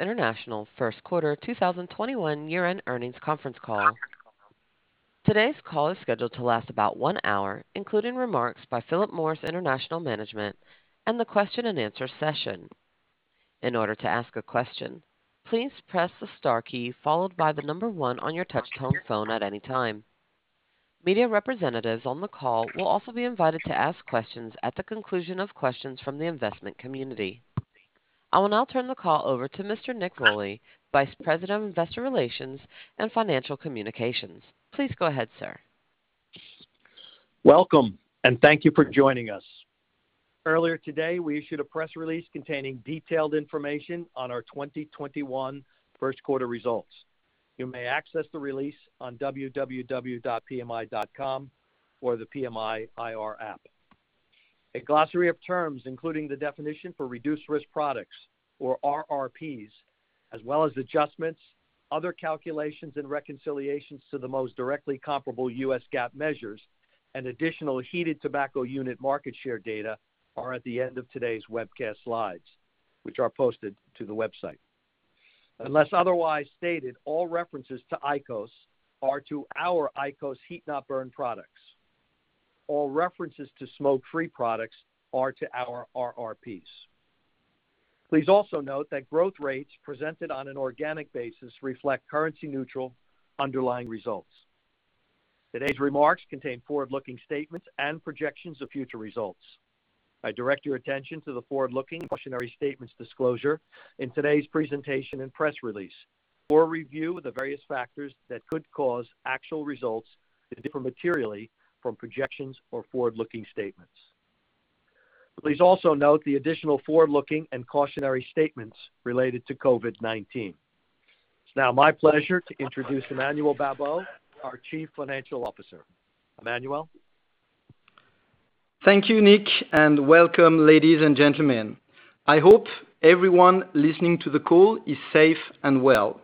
International first quarter 2021 year-end earnings conference call. Today's call is scheduled to last about one hour, including remarks by Philip Morris International Management and the question and answer session. In order to ask a question please press a star key followed by the number one on your touchtone phone at any time. Media representatives on the call will also be invited to ask questions at the conclusion of questions from the investment community. I will now turn the call over to Mr. Nick Rolli, Vice President of Investor Relations and Financial Communications. Please go ahead, sir. Welcome, thank you for joining us. Earlier today, we issued a press release containing detailed information on our 2021 first quarter results. You may access the release on www.pmi.com or the PMI IR app. A glossary of terms, including the definition for reduced-risk products, or RRPs, as well as adjustments, other calculations, and reconciliations to the most directly comparable US GAAP measures and additional heated tobacco unit market share data are at the end of today's webcast slides, which are posted to the website. Unless otherwise stated, all references to IQOS are to our IQOS heat-not-burn products. All references to smoke-free products are to our RRPs. Please also note that growth rates presented on an organic basis reflect currency-neutral underlying results. Today's remarks contain forward-looking statements and projections of future results. I direct your attention to the forward-looking cautionary statements disclosure in today's presentation and press release, or a review of the various factors that could cause actual results to differ materially from projections or forward-looking statements. Please also note the additional forward-looking and cautionary statements related to COVID-19. It's now my pleasure to introduce Emmanuel Babeau, our Chief Financial Officer. Emmanuel? Thank you, Nick, and welcome, ladies and gentlemen. I hope everyone listening to the call is safe and well.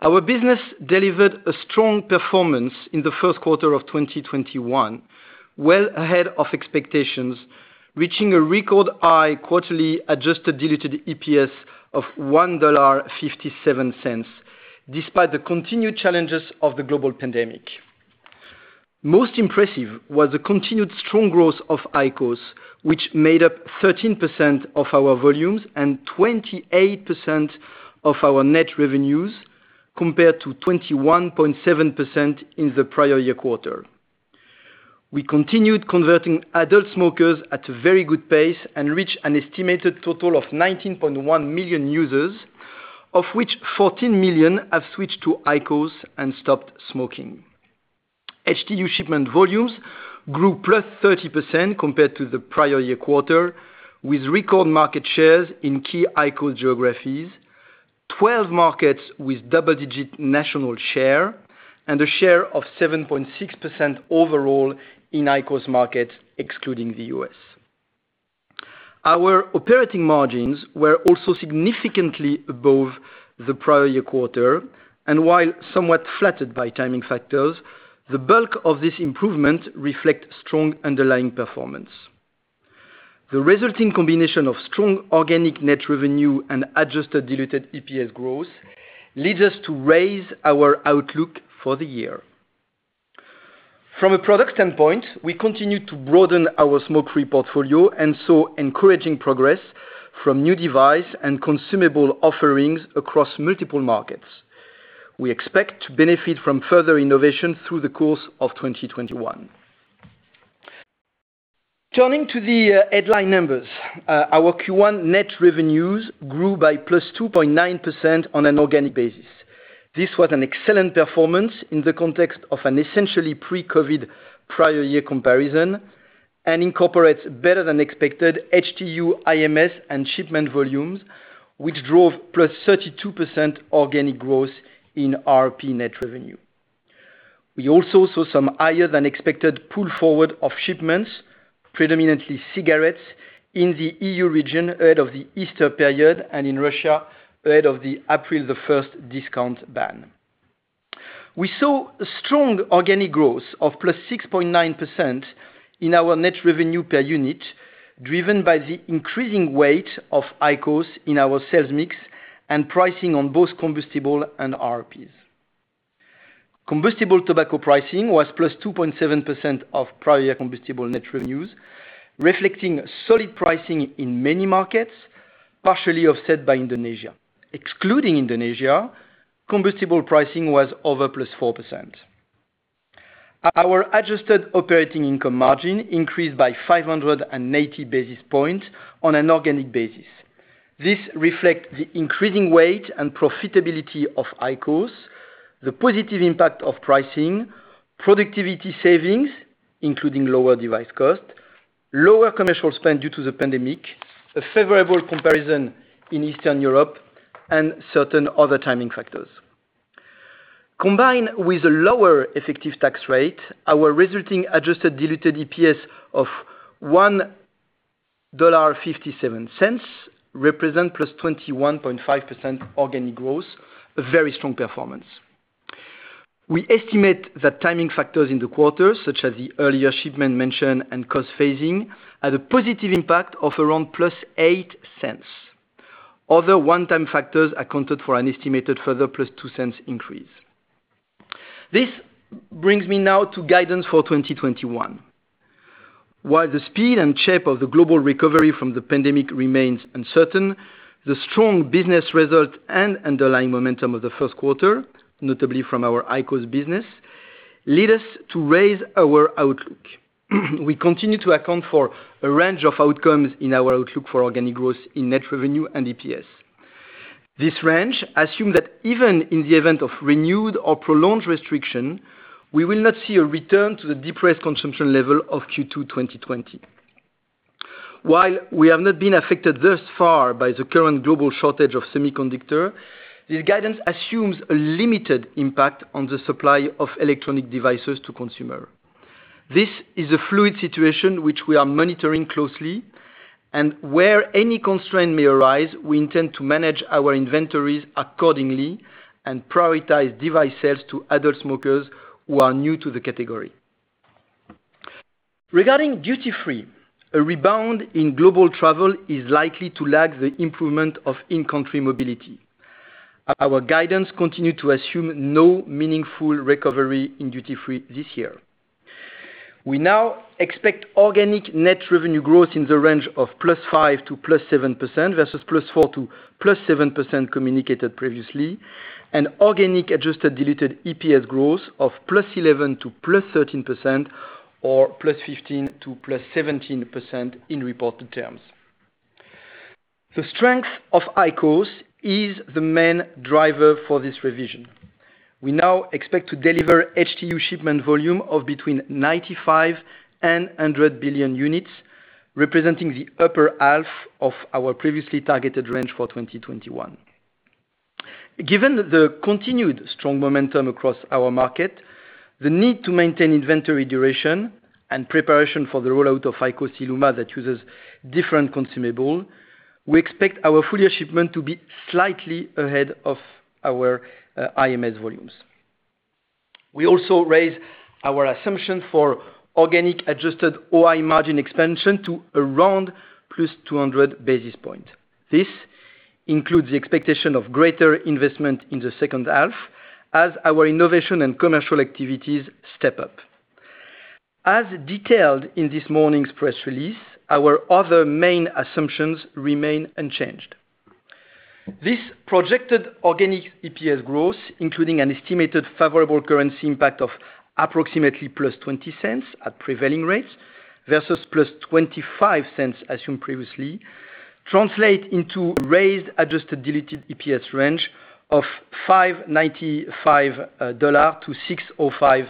Our business delivered a strong performance in the first quarter of 2021, well ahead of expectations, reaching a record high quarterly adjusted diluted EPS of $1.57, despite the continued challenges of the global pandemic. Most impressive was the continued strong growth of IQOS, which made up 13% of our volumes and 28% of our net revenues, compared to 21.7% in the prior year quarter. We continued converting adult smokers at a very good pace and reached an estimated total of 19.1 million users, of which 14 million users have switched to IQOS and stopped smoking. HTU shipment volumes grew +30% compared to the prior year quarter, with record market shares in key IQOS geographies, 12 markets with double-digit national share, and a share of 7.6% overall in IQOS markets, excluding the U.S. Our operating margins were also significantly above the prior year quarter, and while somewhat flattered by timing factors, the bulk of this improvement reflects strong underlying performance. The resulting combination of strong organic net revenue and adjusted diluted EPS growth leads us to raise our outlook for the year. From a product standpoint, we continue to broaden our smoke-free portfolio and saw encouraging progress from new device and consumable offerings across multiple markets. We expect to benefit from further innovation through the course of 2021. Turning to the headline numbers. Our Q1 net revenues grew by +2.9% on an organic basis. This was an excellent performance in the context of an essentially pre-COVID prior year comparison and incorporates better-than-expected HTU IMS and shipment volumes, which drove +32% organic growth in RRP net revenue. We also saw some higher-than-expected pull forward of shipments, predominantly cigarettes, in the EU region ahead of the Easter period and in Russia ahead of the April 1st discount ban. We saw a strong organic growth of +6.9% in our net revenue per unit, driven by the increasing weight of IQOS in our sales mix and pricing on both combustible and RRPs. Combustible tobacco pricing was +2.7% of prior combustible net revenues, reflecting solid pricing in many markets, partially offset by Indonesia. Excluding Indonesia, combustible pricing was over +4%. Our adjusted operating income margin increased by 580 basis points on an organic basis. This reflects the increasing weight and profitability of IQOS, the positive impact of pricing, productivity savings, including lower device cost, lower commercial spend due to the pandemic, a favorable comparison in Eastern Europe, and certain other timing factors. Combined with a lower effective tax rate, our resulting adjusted diluted EPS of $1.57 represent +21.5% organic growth, a very strong performance. We estimate that timing factors in the quarter, such as the earlier shipment mentioned and cost phasing, had a positive impact of around +$0.08. Other one-time factors accounted for an estimated further +$0.02 increase. This brings me now to guidance for 2021. While the speed and shape of the global recovery from the pandemic remains uncertain, the strong business results and underlying momentum of the first quarter, notably from our IQOS business, lead us to raise our outlook. We continue to account for a range of outcomes in our outlook for organic growth in net revenue and EPS. This range assumes that even in the event of renewed or prolonged restriction, we will not see a return to the depressed consumption level of Q2 2020. While we have not been affected thus far by the current global shortage of semiconductor, this guidance assumes a limited impact on the supply of electronic devices to consumer. This is a fluid situation which we are monitoring closely, where any constraint may arise, we intend to manage our inventories accordingly and prioritize device sales to adult smokers who are new to the category. Regarding duty-free, a rebound in global travel is likely to lag the improvement of in-country mobility. Our guidance continue to assume no meaningful recovery in duty-free this year. We now expect organic net revenue growth in the range of +5% to +7%, versus +4% to +7% communicated previously, and organic adjusted diluted EPS growth of +11% to +13%, or +15% to +17% in reported terms. The strength of IQOS is the main driver for this revision. We now expect to deliver HTU shipment volume of between 95 billion units and 100 billion units, representing the upper half of our previously targeted range for 2021. Given the continued strong momentum across our market, the need to maintain inventory duration, and preparation for the rollout of IQOS ILUMA that uses different consumable, we expect our full year shipment to be slightly ahead of our IMS volumes. We also raise our assumption for organic adjusted OI margin expansion to around +200 basis points. This includes the expectation of greater investment in the second half as our innovation and commercial activities step up. As detailed in this morning's press release, our other main assumptions remain unchanged. This projected organic EPS growth, including an estimated favorable currency impact of approximately +$0.20 at prevailing rates versus +$0.25 assumed previously, translate into a raised adjusted diluted EPS range of $5.95-$6.05.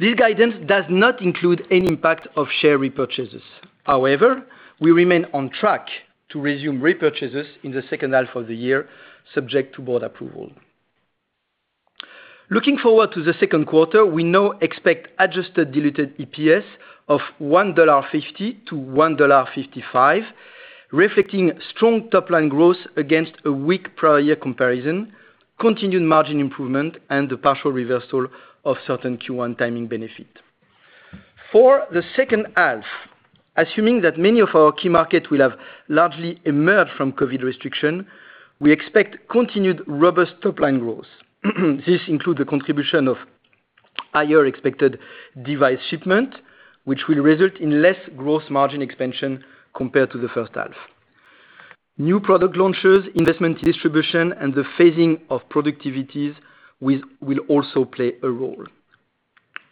This guidance does not include any impact of share repurchases. However, we remain on track to resume repurchases in the second half of the year, subject to board approval. Looking forward to the second quarter, we now expect adjusted diluted EPS of $1.50-$1.55, reflecting strong top-line growth against a weak prior year comparison, continued margin improvement, and the partial reversal of certain Q1 timing benefit. For the second half, assuming that many of our key markets will have largely emerged from COVID restriction, we expect continued robust top-line growth. This includes the contribution of higher expected device shipment, which will result in less gross margin expansion compared to the first half. New product launches, investment distribution, and the phasing of productivities will also play a role.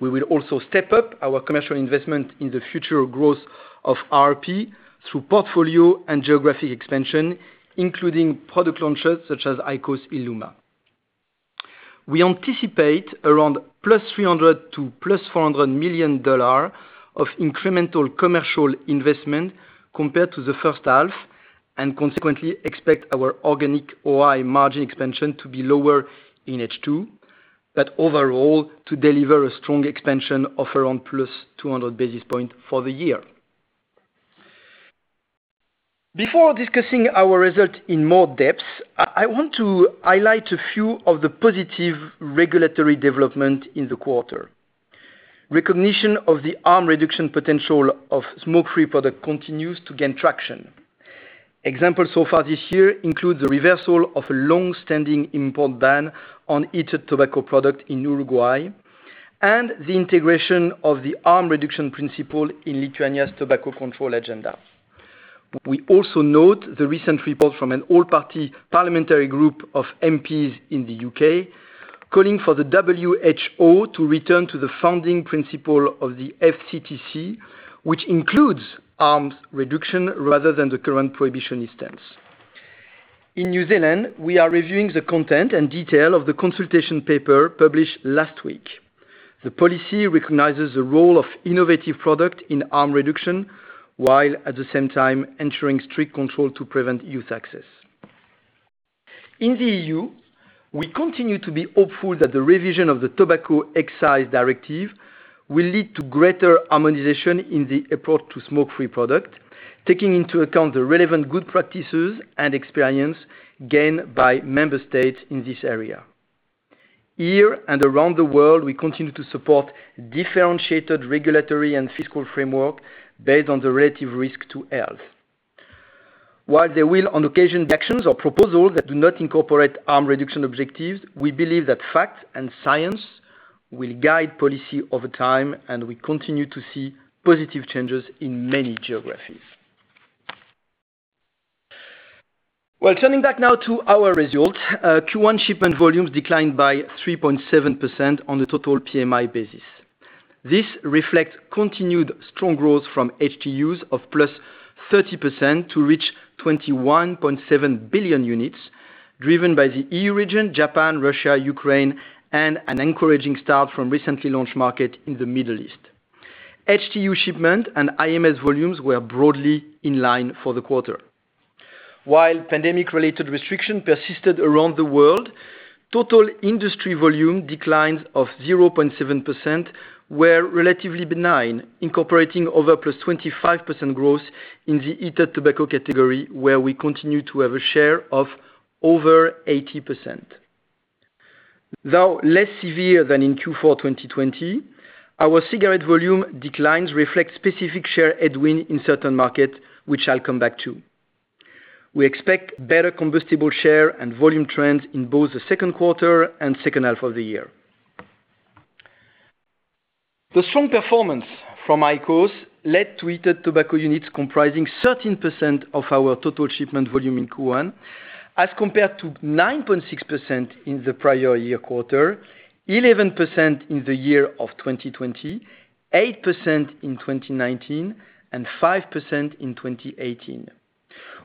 We will also step up our commercial investment in the future growth of RRP through portfolio and geographic expansion, including product launches such as IQOS ILUMA. We anticipate around +$300 million to +$400 million of incremental commercial investment compared to the first half, and consequently expect our organic OI margin expansion to be lower in H2, but overall to deliver a strong expansion of around +200 basis points for the year. Before discussing our results in more depth, I want to highlight a few of the positive regulatory development in the quarter. Recognition of the harm reduction potential of smoke-free product continues to gain traction. Examples so far this year include the reversal of a long-standing import ban on heated tobacco product in Uruguay and the integration of the harm reduction principle in Lithuania's tobacco control agenda. We also note the recent report from an all-party parliamentary group of MPs in the U.K. calling for the WHO to return to the founding principle of the FCTC, which includes harm reduction rather than the current prohibition stance. In New Zealand, we are reviewing the content and detail of the consultation paper published last week. The policy recognizes the role of innovative product in harm reduction, while at the same time ensuring strict control to prevent youth access. In the EU. We continue to be hopeful that the revision of the Tobacco Excise Directive will lead to greater harmonization in the approach to smoke-free product, taking into account the relevant good practices and experience gained by member states in this area. Here and around the world, we continue to support differentiated regulatory and fiscal framework based on the relative risk to health. While there will, on occasion, actions or proposals that do not incorporate harm reduction objectives, we believe that fact and science will guide policy over time, and we continue to see positive changes in many geographies. Turning back now to our results. Q1 shipment volumes declined by 3.7% on a total PMI basis. This reflects continued strong growth from HTUs of +30% to reach 21.7 billion units, driven by the EU region, Japan, Russia, Ukraine, and an encouraging start from recently launched market in the Middle East. HTU shipment and IMS volumes were broadly in line for the quarter. While pandemic-related restriction persisted around the world, total industry volume declines of 0.7% were relatively benign, incorporating over +25% growth in the heated tobacco category, where we continue to have a share of over 80%. Though less severe than in Q4 2020, our cigarette volume declines reflect specific share headwind in certain markets, which I'll come back to. We expect better combustible share and volume trends in both the second quarter and second half of the year. The strong performance from IQOS led to heated tobacco units comprising 13% of our total shipment volume in Q1, as compared to 9.6% in the prior year quarter, 11% in the year of 2020, 8% in 2019, and 5% in 2018.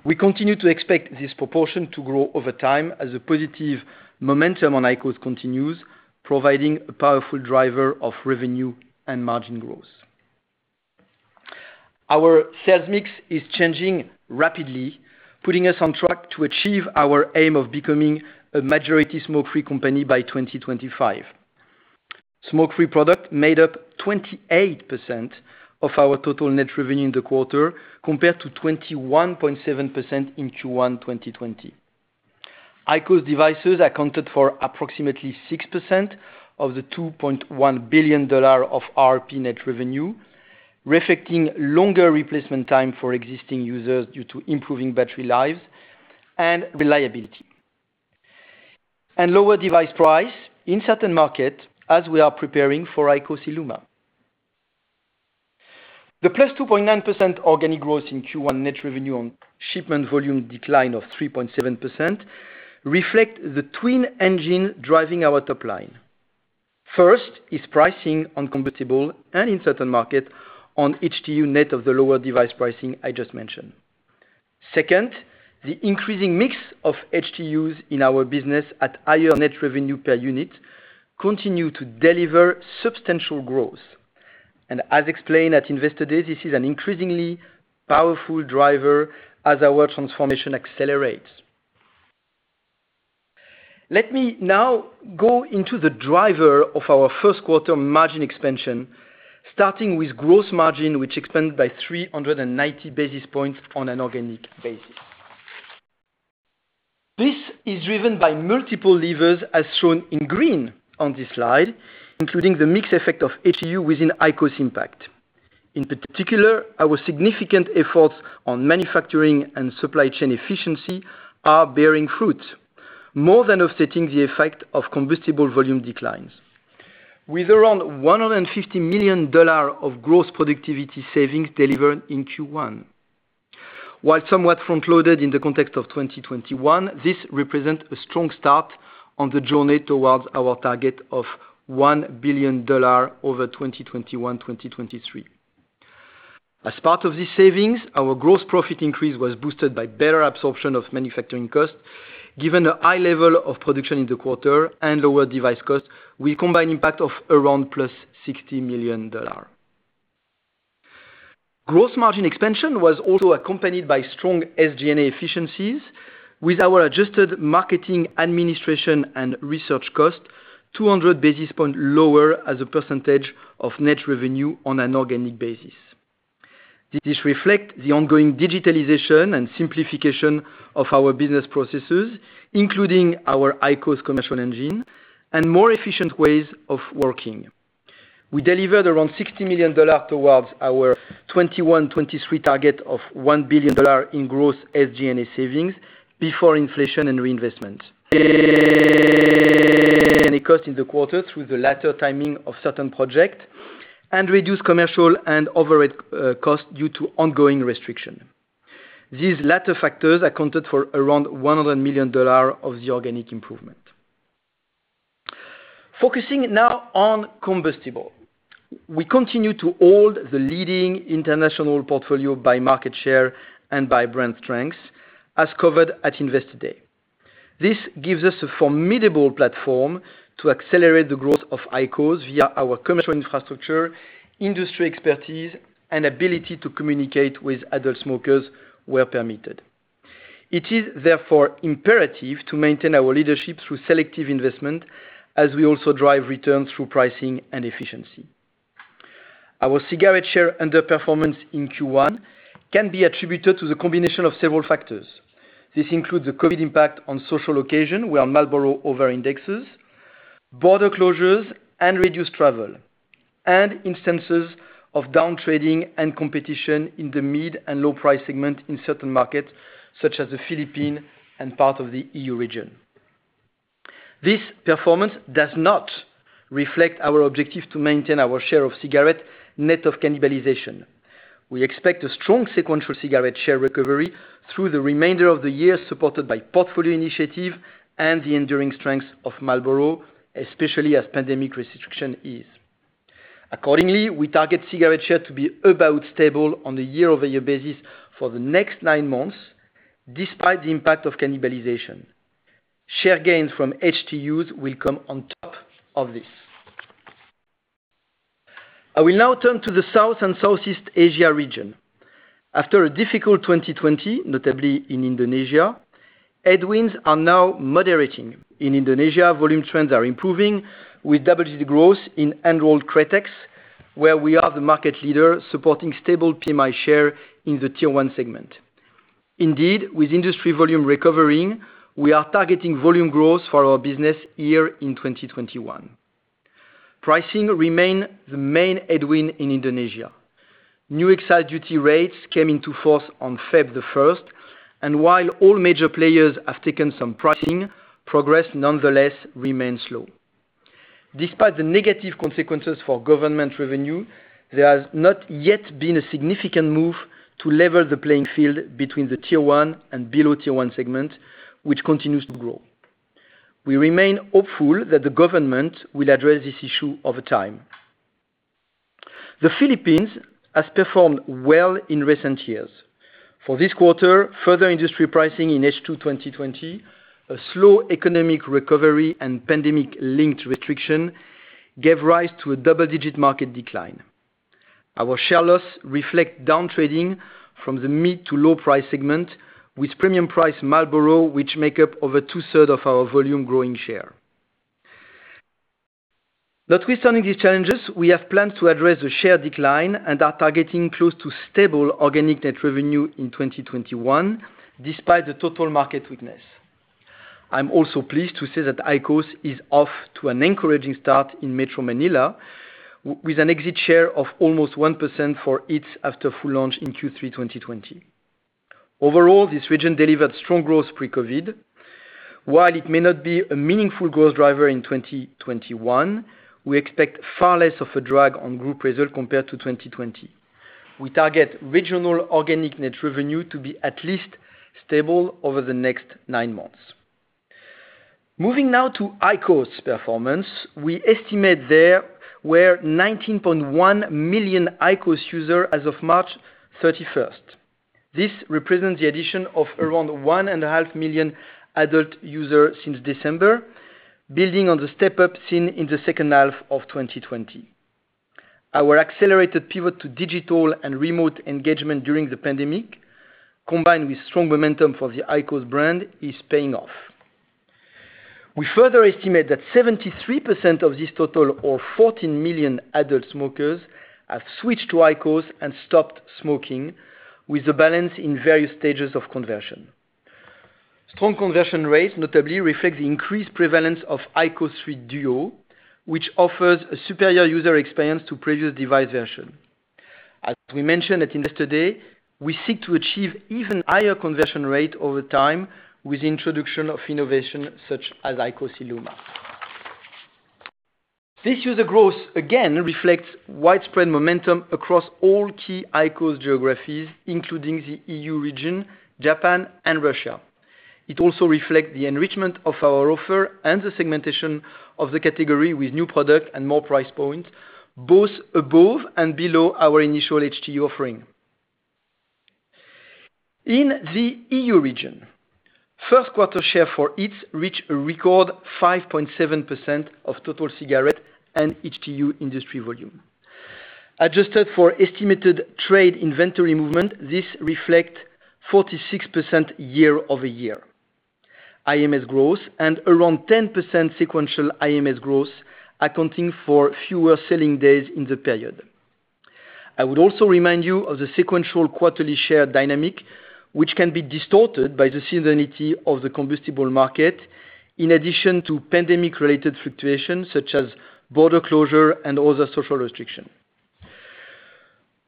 We continue to expect this proportion to grow over time as the positive momentum on IQOS continues, providing a powerful driver of revenue and margin growth. Our sales mix is changing rapidly, putting us on track to achieve our aim of becoming a majority smoke-free company by 2025. Smoke-free product made up 28% of our total net revenue in the quarter, compared to 21.7% in Q1 2020. IQOS devices accounted for approximately 6% of the $2.1 billion of RRP net revenue, reflecting longer replacement time for existing users due to improving battery life and reliability. Lower device price in certain markets as we are preparing for IQOS ILUMA. The +2.9% organic growth in Q1 net revenue on shipment volume decline of 3.7% reflect the twin engine driving our top line. First is pricing on combustible and in certain market on HTU net of the lower device pricing I just mentioned. Second, the increasing mix of HTUs in our business at higher net revenue per unit continue to deliver substantial growth. As explained at Investor Day, this is an increasingly powerful driver as our transformation accelerates. Let me now go into the driver of our first quarter margin expansion, starting with gross margin, which expanded by 390 basis points on an organic basis. This is driven by multiple levers, as shown in green on this slide, including the mix effect of HTU within IQOS impact. In particular, our significant efforts on manufacturing and supply chain efficiency are bearing fruit, more than offsetting the effect of combustible volume declines. Around $150 million of gross productivity savings delivered in Q1. Somewhat front-loaded in the context of 2021, this represents a strong start on the journey towards our target of $1 billion over 2021, 2023. Part of these savings, our gross profit increase was boosted by better absorption of manufacturing costs, given the high level of production in the quarter and lower device costs, we combine impact of around +$60 million. Gross margin expansion was also accompanied by strong SG&A efficiencies with our adjusted marketing, administration, and research cost 200 basis points lower as a percentage of net revenue on an organic basis. This reflects the ongoing digitalization and simplification of our business processes, including our IQOS commercial engine and more efficient ways of working. We delivered around $60 million towards our 2021, 2023 target of $1 billion in gross SG&A savings before inflation and reinvestment. Any Cost in the quarter through the latter timing of certain projects and reduced commercial and overhead cost due to ongoing restriction. These latter factors accounted for around $100 million of the organic improvement. Focusing now on combustible. We continue to hold the leading international portfolio by market share and by brand strength, as covered at Investor Day. This gives us a formidable platform to accelerate the growth of IQOS via our commercial infrastructure, industry expertise, and ability to communicate with adult smokers where permitted. It is therefore imperative to maintain our leadership through selective investment as we also drive returns through pricing and efficiency. Our cigarette share underperformance in Q1 can be attributed to the combination of several factors. This includes the COVID impact on social occasion, where Marlboro over-indexes, border closures, and reduced travel. Instances of down trading and competition in the mid and low price segment in certain markets, such as the Philippines and part of the EU region. This performance does not reflect our objective to maintain our share of cigarette net of cannibalization. We expect a strong sequential cigarette share recovery through the remainder of the year, supported by portfolio initiative and the enduring strengths of Marlboro, especially as pandemic restriction ease. Accordingly, we target cigarette share to be about stable on a year-over-year basis for the next nine months, despite the impact of cannibalization. Share gains from HTUs will come on top of this. I will now turn to the South and Southeast Asia region. After a difficult 2020, notably in Indonesia, headwinds are now moderating. In Indonesia, volume trends are improving, with double-digit growth in hand-rolled kreteks, where we are the market leader, supporting stable PMI share in the Tier 1 segment. With industry volume recovering, we are targeting volume growth for our business year in 2021. Pricing remain the main headwind in Indonesia. New excise duty rates came into force on Feb 1st, and while all major players have taken some pricing, progress nonetheless remains slow. Despite the negative consequences for government revenue, there has not yet been a significant move to level the playing field between the Tier 1 and below Tier 1 segment, which continues to grow. We remain hopeful that the government will address this issue over time. The Philippines has performed well in recent years. For this quarter, further industry pricing in H2 2020, a slow economic recovery, and pandemic-linked restriction gave rise to a double-digit market decline. Our share loss reflects downtrading from the mid to low price segment with premium-priced Marlboro, which makes up over two-thirds of our volume growing share. Notwithstanding these challenges, we have plans to address the share decline and are targeting close to stable organic net revenue in 2021, despite the total market weakness. I'm also pleased to say that IQOS is off to an encouraging start in Metro Manila, with an exit share of almost 1% for HEETS after full launch in Q3 2020. Overall, this region delivered strong growth pre-COVID. While it may not be a meaningful growth driver in 2021, we expect far less of a drag on group result compared to 2020. We target regional organic net revenue to be at least stable over the next nine months. Moving now to IQOS performance. We estimate there were 19.1 million IQOS users as of March 31st. This represents the addition of around 1.5 million adult users since December, building on the step-up seen in the second half of 2020. Our accelerated pivot to digital and remote engagement during the pandemic, combined with strong momentum for the IQOS brand, is paying off. We further estimate that 73% of this total or 14 million adult smokers have switched to IQOS and stopped smoking, with the balance in various stages of conversion. Strong conversion rates notably reflect the increased prevalence of IQOS 3 DUO, which offers a superior user experience to previous device version. As we mentioned at Investor Day, we seek to achieve even higher conversion rate over time with the introduction of innovation such as IQOS ILUMA. This user growth, again, reflects widespread momentum across all key IQOS geographies, including the EU region, Japan, and Russia. It also reflect the enrichment of our offer and the segmentation of the category with new product and more price points, both above and below our initial HTU offering. In the EU region, first quarter share for HEETS reached a record 5.7% of total cigarette and HTU industry volume. Adjusted for estimated trade inventory movement, this reflect 46% year-over-year IMS growth and around 10% sequential IMS growth, accounting for fewer selling days in the period. I would also remind you of the sequential quarterly share dynamic, which can be distorted by the seasonality of the combustible market, in addition to pandemic-related fluctuations such as border closure and other social restriction.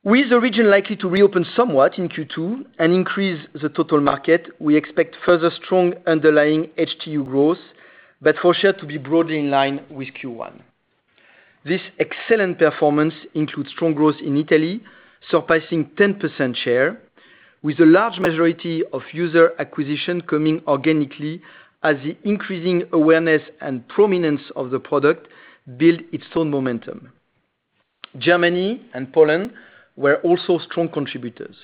With the region likely to reopen somewhat in Q2 and increase the total market, we expect further strong underlying HTU growth, but for share to be broadly in line with Q1. This excellent performance includes strong growth in Italy, surpassing 10% share, with a large majority of user acquisition coming organically as the increasing awareness and prominence of the product build its own momentum. Germany and Poland were also strong contributors.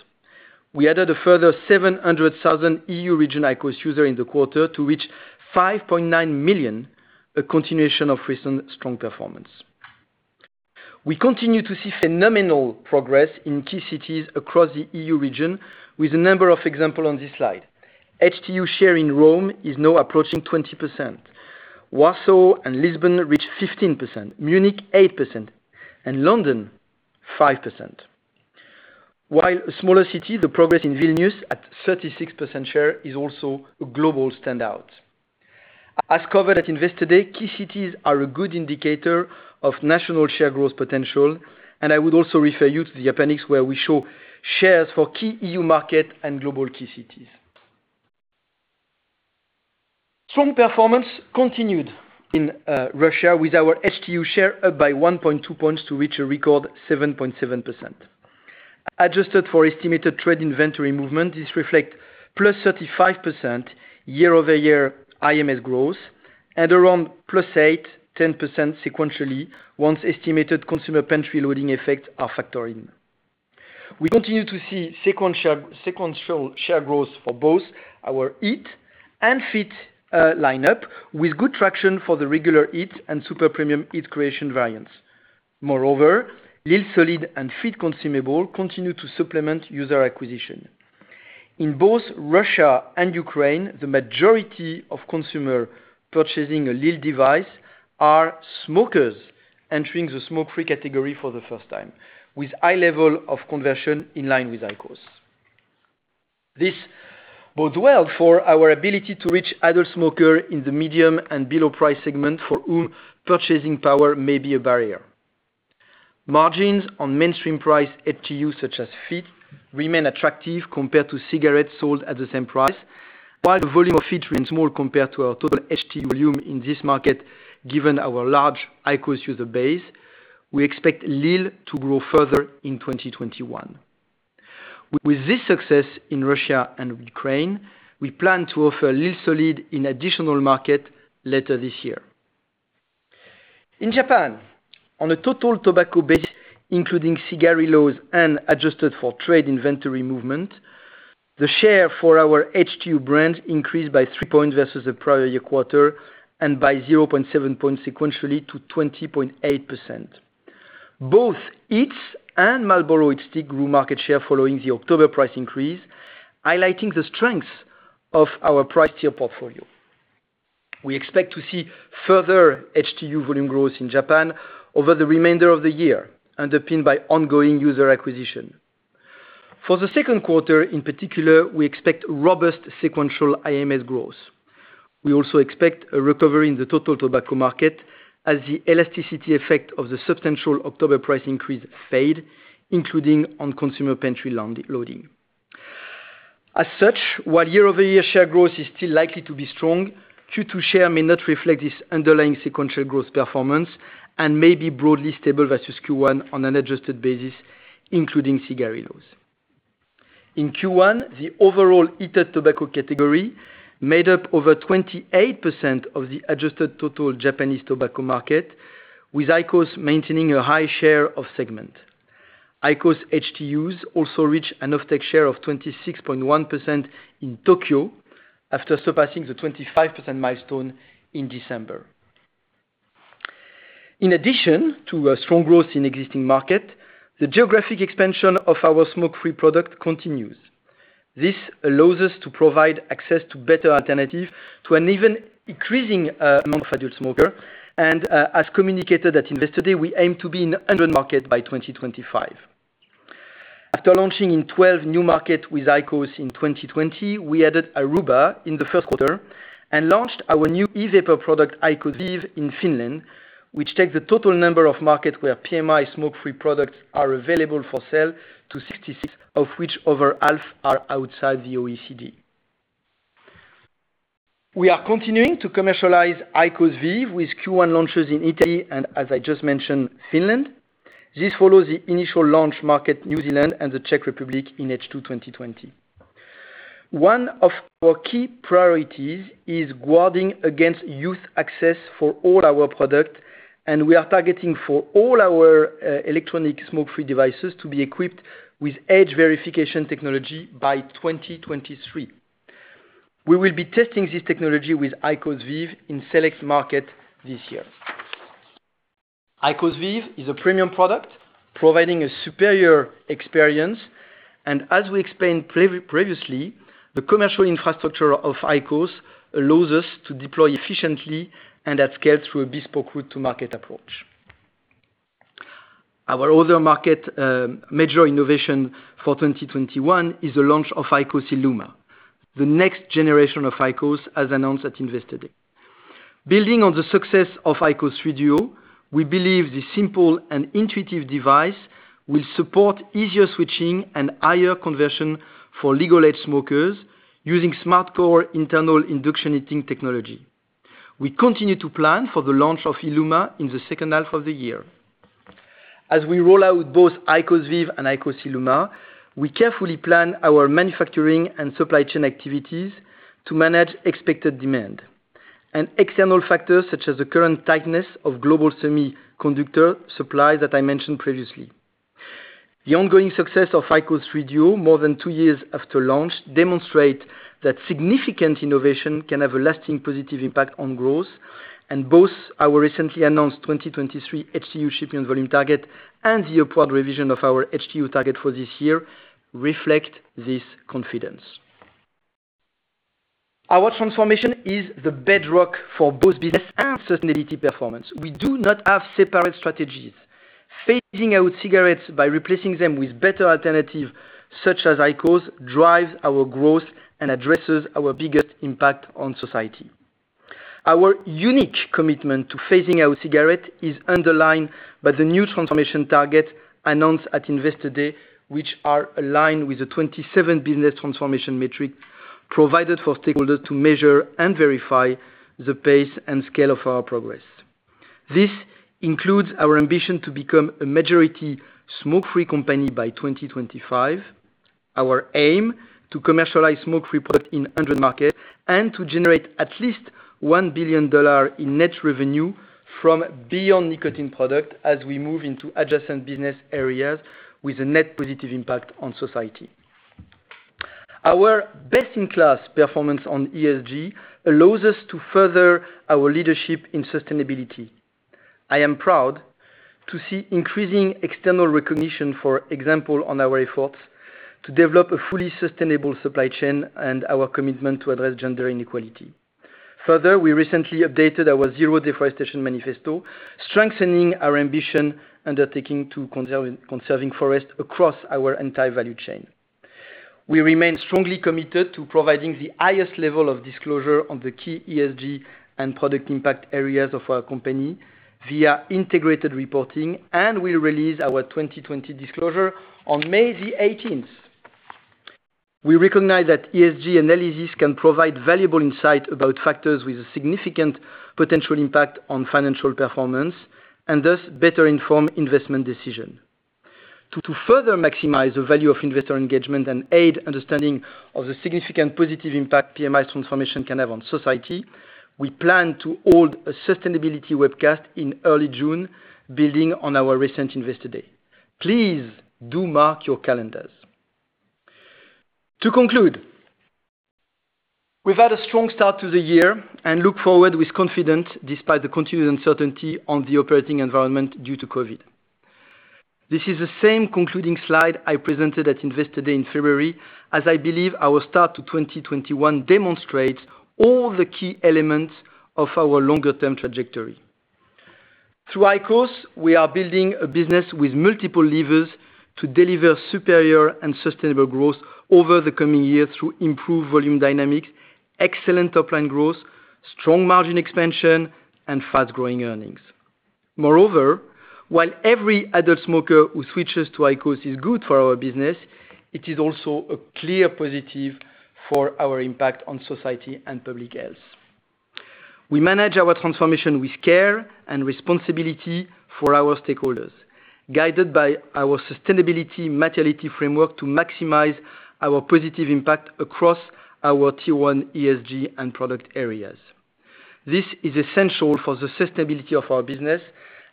We added a further 700,000 EU region IQOS user in the quarter to reach 5.9 million IQOS users, a continuation of recent strong performance. We continue to see phenomenal progress in key cities across the EU region with a number of examples on this slide. HTU share in Rome is now approaching 20%. Warsaw and Lisbon reach 15%, Munich 8%, and London 5%. While a smaller city, the progress in Vilnius at 36% share is also a global standout. As covered at Investor Day, key cities are a good indicator of national share growth potential, and I would also refer you to the appendix, where we show shares for key EU market and global key cities. Strong performance continued in Russia with our HTU share up by 1.2 points to reach a record 7.7%. Adjusted for estimated trade inventory movement, this reflects +35% year-over-year IMS growth, and around +8%-10% sequentially, once estimated consumer pantry loading effects are factored in. We continue to see sequential share growth for both our HEETS and Fiit lineup, with good traction for the regular HEETS and super premium HEETS Creations variants. Moreover, lil SOLID and Fiit consumable continue to supplement user acquisition. In both Russia and Ukraine, the majority of consumer purchasing a lil device are smokers entering the smoke-free category for the first time, with high level of conversion in line with IQOS. This bodes well for our ability to reach adult smoker in the medium and below price segment for whom purchasing power may be a barrier. Margins on mainstream price HTU such as Fiit remain attractive compared to cigarettes sold at the same price. While the volume of Fiit remains small compared to our total HTU volume in this market, given our large IQOS user base, we expect lil to grow further in 2021. With this success in Russia and Ukraine, we plan to offer lil SOLID in additional market later this year. In Japan, on a total tobacco base, including cigarillos and adjusted for trade inventory movement, the share for our HTU brand increased by three points versus the prior year quarter, and by 0.7 points sequentially to 20.8%. Both HEETS and Marlboro HeatStick grew market share following the October price increase, highlighting the strength of our price tier portfolio. We expect to see further HTU volume growth in Japan over the remainder of the year, underpinned by ongoing user acquisition. For the second quarter, in particular, we expect robust sequential IMS growth. We also expect a recovery in the total tobacco market as the elasticity effect of the substantial October price increase fade, including on consumer pantry loading. As such, while year-over-year share growth is still likely to be strong, Q2 share may not reflect this underlying sequential growth performance and may be broadly stable versus Q1 on an adjusted basis, including cigarillos. In Q1, the overall heated tobacco category made up over 28% of the adjusted total Japanese tobacco market, with IQOS maintaining a high share of segment. IQOS HTUs also reached an offtake share of 26.1% in Tokyo after surpassing the 25% milestone in December. In addition to a strong growth in existing market, the geographic expansion of our smoke-free product continues. This allows us to provide access to better alternative to an even increasing amount of adult smoker. As communicated at Investor Day, we aim to be in 100 market by 2025. After launching in 12 new markets with IQOS in 2020, we added Aruba in the first quarter and launched our new e-vapor product, IQOS VEEV, in Finland, which takes the total number of markets where PMI smoke-free products are available for sale to 66 markets, of which over half are outside the OECD. We are continuing to commercialize IQOS VEEV with Q1 launches in Italy and, as I just mentioned, Finland. This follows the initial launch market, New Zealand and the Czech Republic in H2 2020. One of our key priorities is guarding against youth access for all our product, and we are targeting for all our electronic smoke-free devices to be equipped with age verification technology by 2023. We will be testing this technology with IQOS VEEV in select market this year. IQOS VEEV is a premium product, providing a superior experience, and as we explained previously, the commercial infrastructure of IQOS allows us to deploy efficiently and at scale through a bespoke route-to-market approach. Our other market major innovation for 2021 is the launch of IQOS ILUMA, the next generation of IQOS, as announced at Investor Day. Building on the success of IQOS DUO, we believe the simple and intuitive device will support easier switching and higher conversion for legal-age smokers using SMARTCORE internal induction heating technology. We continue to plan for the launch of ILUMA in the second half of the year. As we roll out both IQOS VEEV and IQOS ILUMA, we carefully plan our manufacturing and supply chain activities to manage expected demand and external factors such as the current tightness of global semiconductor supply that I mentioned previously. The ongoing success of IQOS DUO, more than two years after launch, demonstrate that significant innovation can have a lasting positive impact on growth. Both our recently announced 2023 HTU shipment volume target and the upward revision of our HTU target for this year reflect this confidence. Our transformation is the bedrock for both business and sustainability performance. We do not have separate strategies. Phasing out cigarettes by replacing them with better alternatives, such as IQOS, drives our growth and addresses our biggest impact on society. Our unique commitment to phasing out cigarettes is underlined by the new transformation targets announced at Investor Day, which are aligned with the 27 business transformation metrics provided for stakeholders to measure and verify the pace and scale of our progress. This includes our ambition to become a majority smoke-free company by 2025. Our aim to commercialize smoke-free products in 100 markets and to generate at least $1 billion in net revenue from Beyond Nicotine products as we move into adjacent business areas with a net positive impact on society. Our best-in-class performance on ESG allows us to further our leadership in sustainability. I am proud to see increasing external recognition, for example, on our efforts to develop a fully sustainable supply chain and our commitment to address gender inequality. Further, we recently updated our Zero Deforestation Manifesto, strengthening our ambition undertaking to conserving forest across our entire value chain. We remain strongly committed to providing the highest level of disclosure on the key ESG and product impact areas of our company via integrated reporting, and we'll release our 2020 disclosure on May 18th. We recognize that ESG analysis can provide valuable insight about factors with a significant potential impact on financial performance, and thus better inform investment decisions. To further maximize the value of investor engagement and aid understanding of the significant positive impact PMI's transformation can have on society, we plan to hold a sustainability webcast in early June, building on our recent Investor Day. Please do mark your calendars. To conclude, we've had a strong start to the year and look forward with confidence despite the continued uncertainty on the operating environment due to COVID. This is the same concluding slide I presented at Investor Day in February, as I believe our start to 2021 demonstrates all the key elements of our longer-term trajectory. Through IQOS, we are building a business with multiple levers to deliver superior and sustainable growth over the coming years through improved volume dynamics, excellent top-line growth, strong margin expansion, and fast-growing earnings. Moreover, while every adult smoker who switches to IQOS is good for our business, it is also a clear positive for our impact on society and public health. We manage our transformation with care and responsibility for our stakeholders, guided by our sustainability materiality framework to maximize our positive impact across our Tier 1 ESG and product areas. This is essential for the sustainability of our business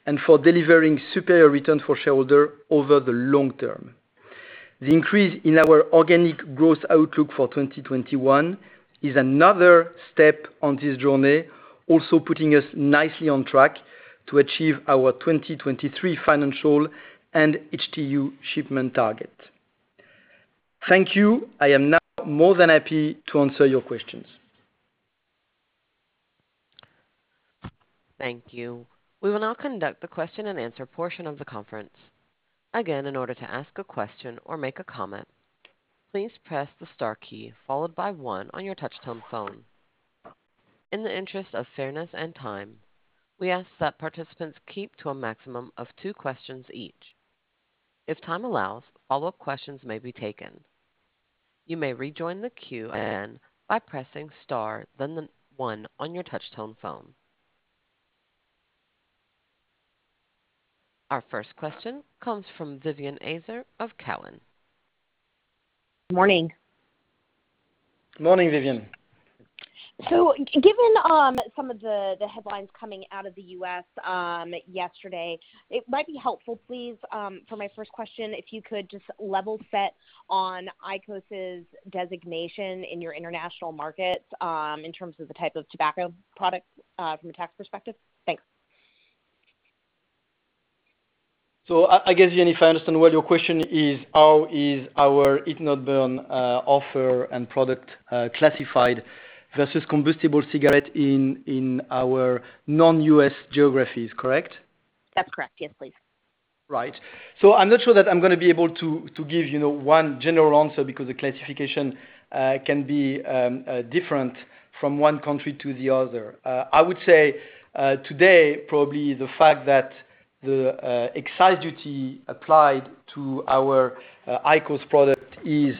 and for delivering superior return for shareholders over the long term. The increase in our organic growth outlook for 2021 is another step on this journey, also putting us nicely on track to achieve our 2023 financial and HTU shipment target. Thank you. I am now more than happy to answer your questions. Thank you. We will now conduct the question and answer portion of the conference. Again, in order to ask a question or make a comment, please press the star key followed by one on your touch-tone phone. In the interest of fairness and time, we ask that participants keep to a maximum of two questions each. If time allows, follow-up questions may be taken. You may rejoin the queue by pressing star, then one on your touch-tone phone. Our first question comes from Vivien Azer of Cowen. Morning. Morning, Vivien. Given some of the headlines coming out of the U.S. yesterday, it might be helpful, please, for my first question, if you could just level set on IQOS's designation in your international markets, in terms of the type of tobacco products, from a tax perspective. Thanks. I guess, Vivien, if I understand what your question is, how is our heat-not-burn offer and product classified versus combustible cigarettes in our non-U.S. geographies, correct? That's correct. Yes, please. Right. I'm not sure that I'm going to be able to give one general answer because the classification can be different from one country to the other. I would say today, probably the fact that the excise duty applied to our IQOS product is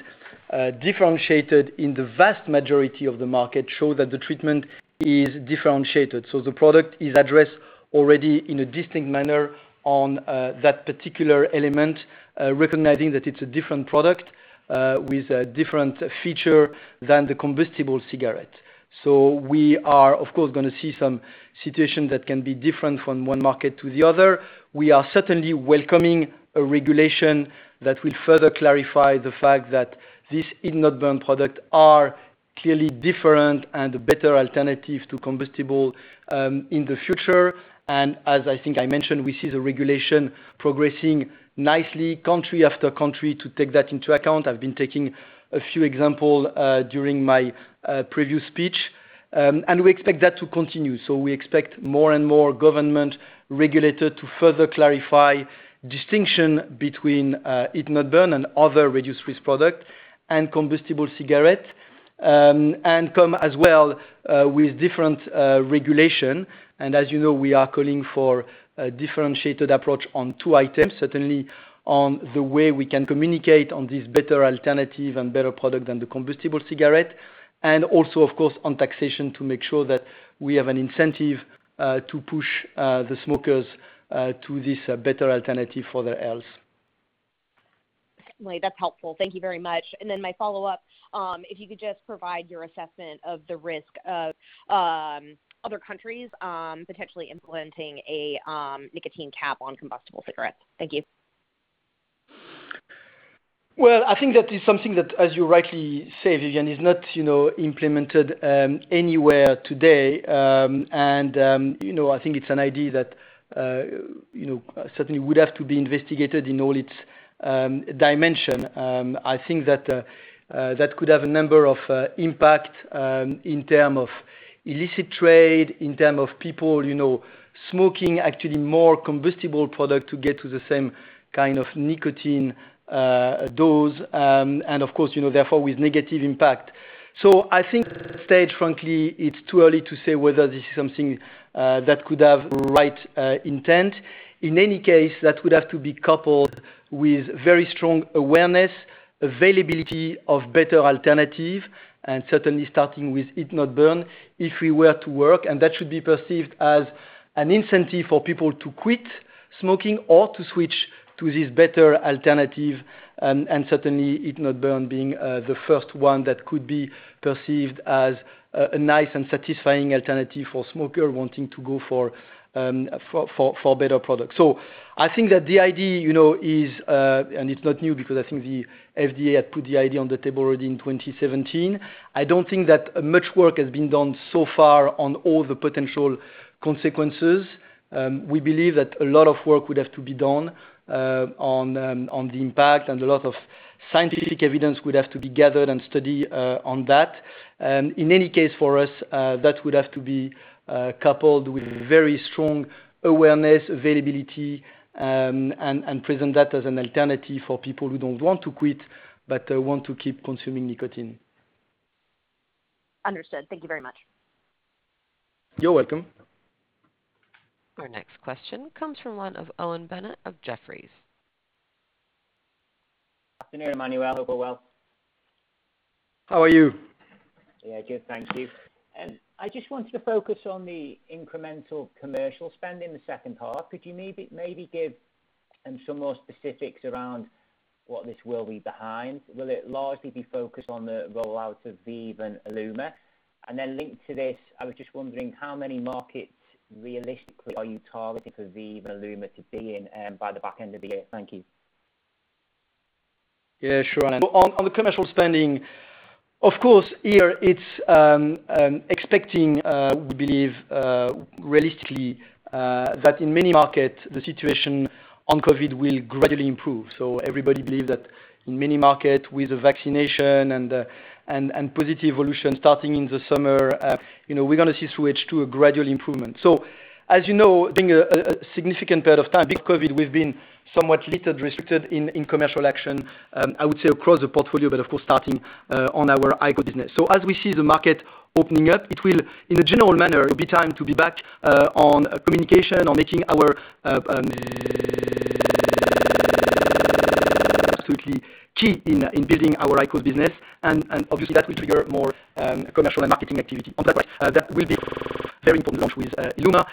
differentiated in the vast majority of the markets shows that the treatment is differentiated. The product is addressed already in a distinct manner on that particular element, recognizing that it's a different product with a different feature than the combustible cigarette. We are of course, going to see some situations that can be different from one market to the other. We are certainly welcoming a regulation that will further clarify the fact that these heat-not-burn products are clearly different and a better alternative to combustible in the future. As I think I mentioned, we see the regulation progressing nicely country after country to take that into account. I've been taking a few example during my previous speech, and we expect that to continue. We expect more and more government regulator to further clarify distinction between heat-not-burn and other reduced-risk product and combustible cigarettes, and come as well, with different regulation. As you know, we are calling for a differentiated approach on two items. Certainly on the way we can communicate on this better alternative and better product than the combustible cigarette, and also, of course, on taxation to make sure that we have an incentive to push the smokers to this better alternative for their health. That's helpful. Thank you very much. My follow-up, if you could just provide your assessment of the risk of other countries potentially implementing a nicotine cap on combustible cigarettes. Thank you. Well, I think that is something that, as you rightly say, Vivien, is not implemented anywhere today. I think it's an idea that certainly would have to be investigated in all its dimension. I think that could have a number of impact, in terms of illicit trade, in terms of people smoking actually more combustible product to get to the same kind of nicotine dose. Of course, therefore with negative impact. I think at this stage, frankly, it's too early to say whether this is something that could have the right intent. In any case, that would have to be coupled with very strong awareness, availability of better alternative, and certainly starting with heat-not-burn, if we were to work. That should be perceived as an incentive for people to quit smoking or to switch to this better alternative. Certainly heat-not-burn being the first one that could be perceived as a nice and satisfying alternative for smoker wanting to go for better product. I think that the idea is, and it's not new because I think the FDA had put the idea on the table already in 2017. I don't think that much work has been done so far on all the potential consequences. We believe that a lot of work would have to be done on the impact, and a lot of scientific evidence would have to be gathered and study on that. In any case, for us, that would have to be coupled with very strong awareness, availability, and present that as an alternative for people who don't want to quit but want to keep consuming nicotine. Understood. Thank you very much. You're welcome. Our next question comes from one of Owen Bennett of Jefferies. Good afternoon, Emmanuel. Hope you're well. How are you? Good, thank you. I just wanted to focus on the incremental commercial spend in the second half. Could you maybe give some more specifics around what this will be behind? Will it largely be focused on the rollout of VEEV and ILUMA? Linked to this, I was just wondering how many markets realistically are you targeting for VEEV and ILUMA to be in by the back end of the year? Thank you. Yeah, sure. On the commercial spending, of course, here it's expecting, we believe, realistically, that in many markets, the situation on COVID will gradually improve. Everybody believes that in many markets, with the vaccination and positive evolution starting in the summer, we're going to see switch to a gradual improvement. As you know, I think a significant period of time with COVID, we've been somewhat little restricted in commercial action, I would say, across the portfolio, but of course, starting on our IQOS business. Obviously that will trigger more commercial and marketing activity on that price. That will be very important launch with ILUMA.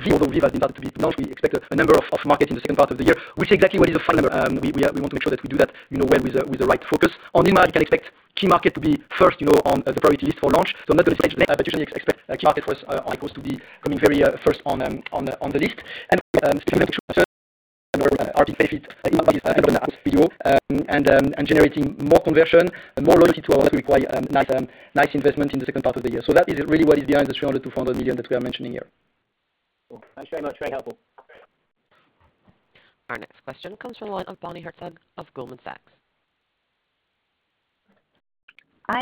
VEEV, although VEEV has been about to be launched, we expect a number of off market in the second part of the year. We see exactly what is the final number. We want to make sure that we do that with the right focus. On ILUMA, you can expect key market to be first on the priority list for launch, so I'm not going to say it today. You can expect key market for us on IQOS to be coming very first on the list. Certainly, we should serve where our base is. I think that will be end of the year. Generating more conversion and more loyalty to our require nice investment in the second part of the year. That is really what is behind the $300 million-$400 million that we are mentioning here. Cool. Thanks very much. Very helpful. Our next question comes from the line of Bonnie Herzog of Goldman Sachs. I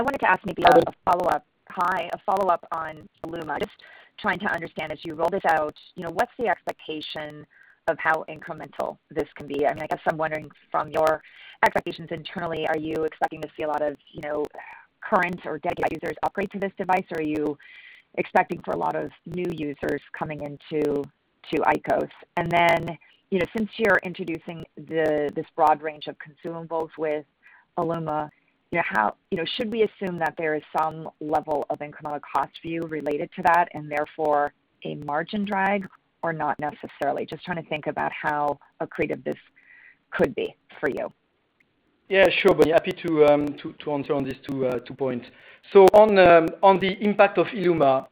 wanted to ask maybe a follow-up. Hello. Hi. A follow-up on ILUMA. Just trying to understand as you roll this out, what's the expectation of how incremental this can be? I guess I'm wondering from your expectations internally, are you expecting to see a lot of current or dedicated users upgrade to this device? Are you expecting for a lot of new users coming into IQOS? Since you're introducing this broad range of consumables with ILUMA, should we assume that there is some level of incremental cost view related to that and therefore a margin drag or not necessarily? Just trying to think about how accretive this could be for you. Yeah, sure, Bonnie. Happy to answer on these two points. On the impact of ILUMA,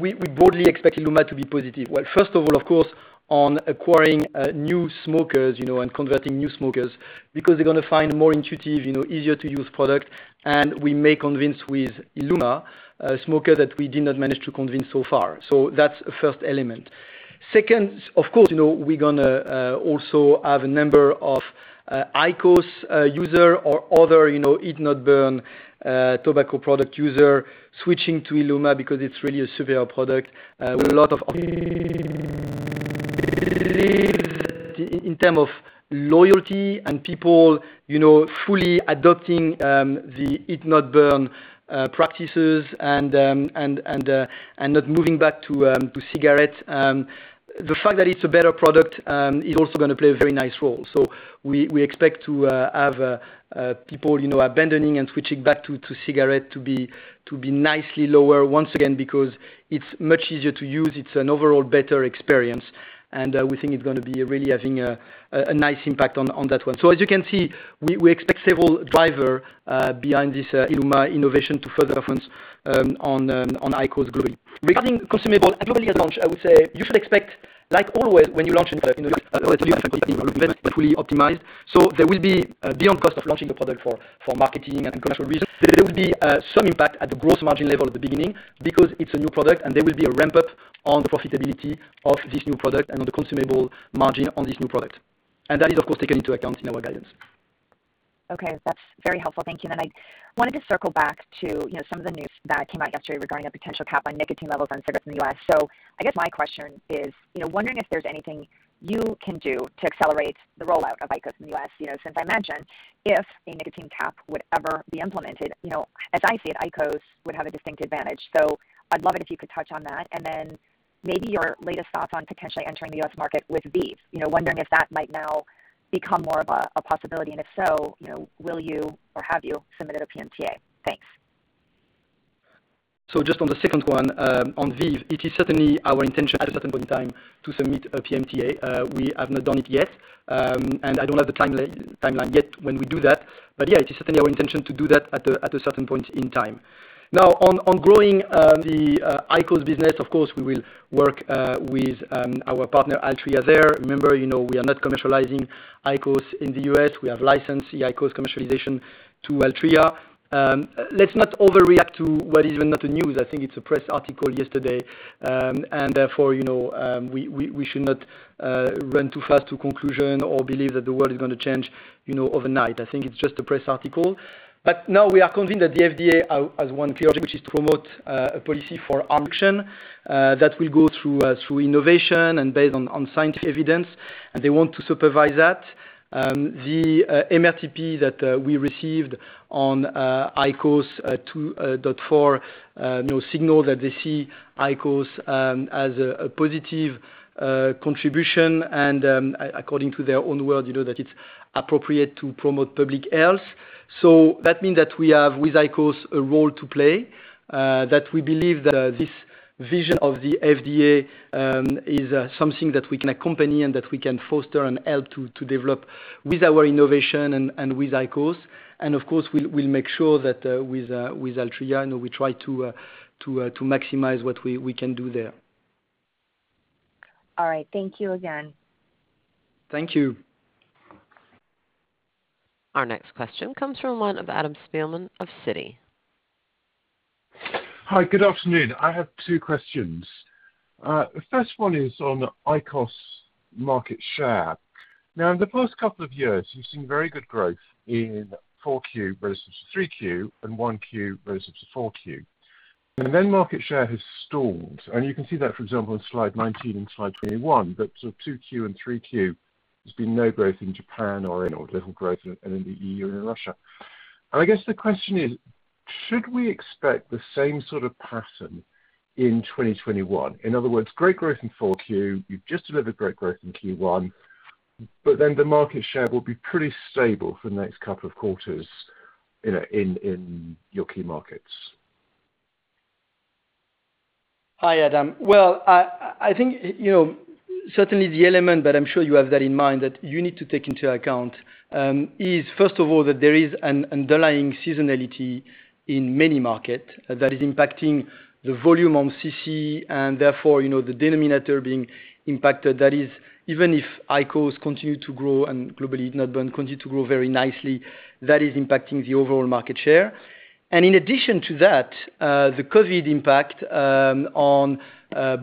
we broadly expect ILUMA to be positive. Well, first of all, of course, on acquiring new smokers and converting new smokers because they're going to find more intuitive, easier-to-use product, and we may convince with ILUMA a smoker that we did not manage to convince so far. That's the first element. Second, of course, we're going to also have a number of IQOS user or other heat-not-burn tobacco product user switching to ILUMA because it's really a superior product with a lot of in term of loyalty and people fully adopting the heat-not-burn practices and not moving back to cigarettes. The fact that it's a better product is also going to play a very nice role. We expect to have people abandoning and switching back to cigarette to be nicely lower once again because it's much easier to use. It's an overall better experience. We think it's going to be really having a nice impact on that one. As you can see, we expect several driver behind this ILUMA innovation to further advance on IQOS growing. Regarding consumable and globally at launch, I would say you should expect like always when you launch in the US Optimized. There will be a beyond cost of launching a product for marketing and commercial reasons. There will be some impact at the gross margin level at the beginning because it's a new product and there will be a ramp-up on the profitability of this new product and on the consumable margin on this new product. That is, of course, taken into account in our guidance. Okay. That's very helpful. Thank you. I wanted to circle back to some of the news that came out yesterday regarding a potential cap on nicotine levels on cigarettes in the U.S. I guess my question is, wondering if there's anything you can do to accelerate the rollout of IQOS in the U.S., since I imagine if a nicotine cap would ever be implemented, as I see it, IQOS would have a distinct advantage. I'd love it if you could touch on that, and then maybe your latest thoughts on potentially entering the US market with VEEV. Wondering if that might now become more of a possibility, and if so, will you or have you submitted a PMTA? Thanks. Just on the second one, on VEEV, it is certainly our intention at a certain point in time to submit a PMTA. We have not done it yet, and I don't have the timeline yet when we do that. Yeah, it is certainly our intention to do that at a certain point in time. Now on growing the IQOS business, of course, we will work with our partner Altria there. Remember, we are not commercializing IQOS in the U.S. We have licensed the IQOS commercialization to Altria. Let's not overreact to what is even not a news. I think it's a press article yesterday, therefore, we should not run too fast to conclusion or believe that the world is going to change overnight. I think it's just a press article. No, we are convinced that the FDA has one theology, which is to promote a policy for harm reduction that will go through innovation and based on scientific evidence, and they want to supervise that. The MRTP that we received on IQOS 2.4 signals that they see IQOS as a positive contribution and, according to their own world, that it's appropriate to promote public health. So that means that we have, with IQOS, a role to play, that we believe that this vision of the FDA is something that we can accompany and that we can foster and help to develop with our innovation and with IQOS. Of course, we'll make sure that with Altria, we try to maximize what we can do there. All right. Thank you again. Thank you. Our next question comes from one of Adam Spielman of Citi. Hi, good afternoon. I have two questions. The first one is on IQOS market share. Now, in the first couple of years, you've seen very good growth in 4Q versus 3Q and 1Q versus 4Q. Then market share has stalled. You can see that, for example, in slide 19 and slide 21, that sort of 2Q and 3Q, there's been no growth in Japan or little growth in the EU or in Russia. I guess the question is, should we expect the same sort of pattern in 2021? In other words, great growth in 4Q, you've just delivered great growth in Q1, but then the market share will be pretty stable for the next couple of quarters in your key markets. Hi, Adam. I think certainly the element that I'm sure you have that in mind that you need to take into account is, first of all, that there is an underlying seasonality in many market that is impacting the volume on CC and therefore, the denominator being impacted. That is, even if IQOS continue to grow and globally heat-not-burn continue to grow very nicely, that is impacting the overall market share. In addition to that, the COVID impact on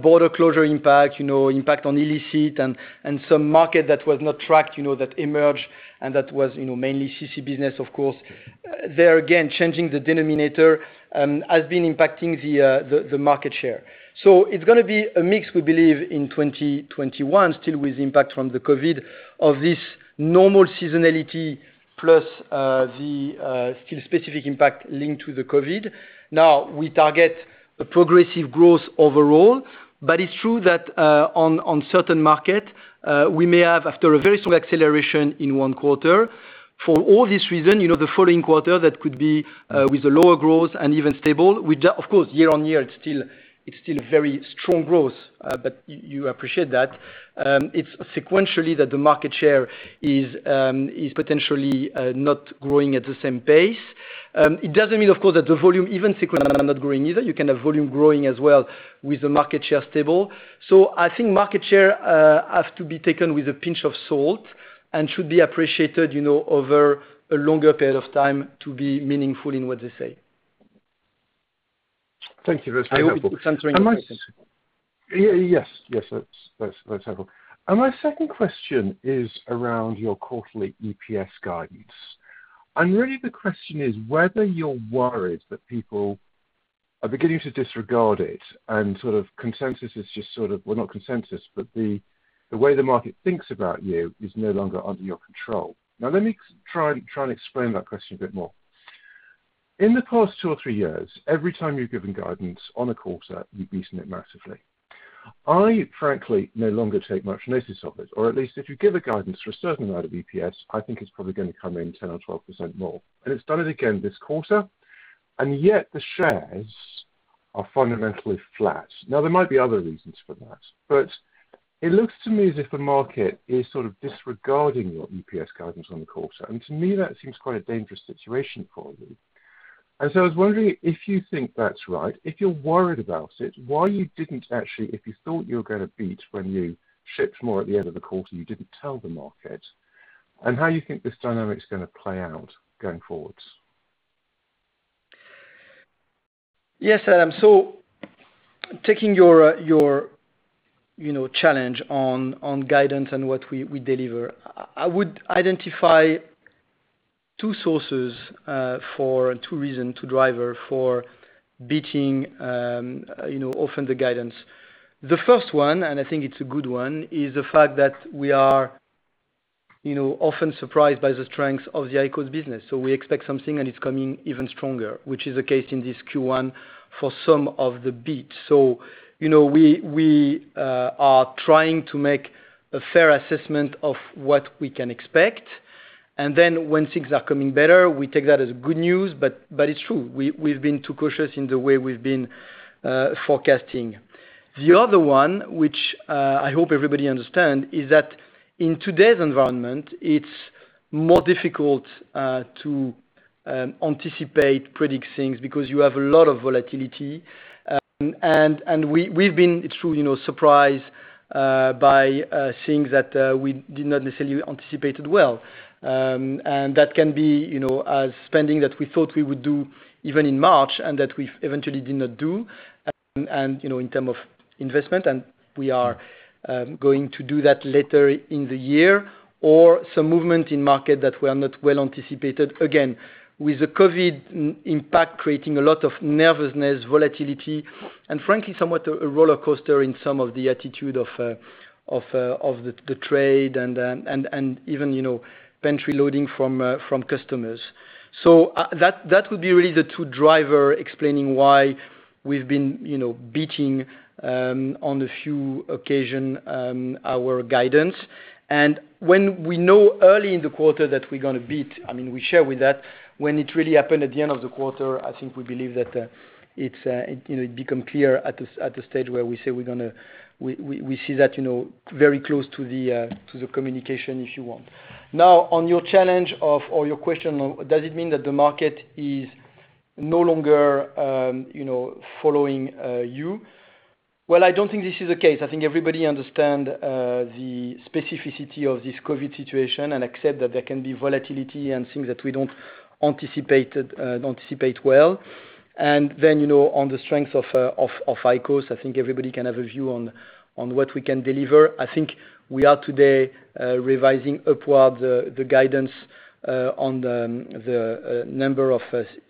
border closure impact on illicit and some market that was not tracked, that emerged, and that was mainly CC business, of course. There, again, changing the denominator has been impacting the market share. It's going to be a mix, we believe, in 2021, still with the impact from the COVID of this normal seasonality plus the still specific impact linked to the COVID. We target a progressive growth overall, it's true that on certain markets, we may have, after a very strong acceleration in one quarter, for all these reasons, the following quarter, that could be with a lower growth and even stable. Of course, year-over-year, it's still very strong growth, you appreciate that. It's sequentially that the market share is potentially not growing at the same pace. It doesn't mean, of course, that the volume, even sequentially, are not growing either. You can have volume growing as well with the market share stable. I think market share has to be taken with a pinch of salt and should be appreciated over a longer period of time to be meaningful in what they say. Thank you. That's helpful. I hope it's answering your question. Yes. That's helpful. My second question is around your quarterly EPS guidance. Really the question is whether you're worried that people are beginning to disregard it and consensus is just sort of Well, not consensus, but the way the market thinks about you is no longer under your control. Now let me try and explain that question a bit more. In the past two or three years, every time you've given guidance on a quarter, you've beaten it massively. I frankly no longer take much notice of it, or at least if you give a guidance for a certain amount of EPS, I think it's probably going to come in 10% or 12% more. It's done it again this quarter, and yet the shares are fundamentally flat. There might be other reasons for that, but it looks to me as if the market is sort of disregarding your EPS guidance on the quarter. To me, that seems quite a dangerous situation for you. I was wondering if you think that's right, if you're worried about it, why you didn't actually, if you thought you were going to beat when you shipped more at the end of the quarter, you didn't tell the market, and how you think this dynamic's going to play out going forwards. Yes, Adam. Taking your challenge on guidance and what we deliver, I would identify two sources, two reason, two driver for beating often the guidance. The first one, and I think it's a good one, is the fact that we are often surprised by the strength of the IQOS business. We expect something, and it's coming even stronger, which is the case in this Q1 for some of the beats. We are trying to make a fair assessment of what we can expect, and then when things are coming better, we take that as good news, but it's true, we've been too cautious in the way we've been forecasting. The other one, which I hope everybody understand, is that in today's environment, it's more difficult to anticipate, predict things because you have a lot of volatility. We've been truly surprised by things that we did not necessarily anticipated well. That can be spending that we thought we would do even in March and that we eventually did not do, in terms of investment, and we are going to do that later in the year. Some movement in markets that were not well anticipated. Again, with the COVID impact creating a lot of nervousness, volatility, and frankly, somewhat a rollercoaster in some of the attitude of the trade and even pantry loading from customers. That would be really the two drivers explaining why we've been beating, on a few occasions, our guidance. When we know early in the quarter that we're going to beat, we share with that. When it really happened at the end of the quarter, I think we believe that it become clear at the stage where we say We see that very close to the communication, if you want. Now, on your challenge of, or your question of, does it mean that the market is no longer following you? Well, I don't think this is the case. I think everybody understands the specificity of this COVID situation and accept that there can be volatility and things that we don't anticipate well. On the strength of IQOS, I think everybody can have a view on what we can deliver. I think we are today revising upward the guidance on the number of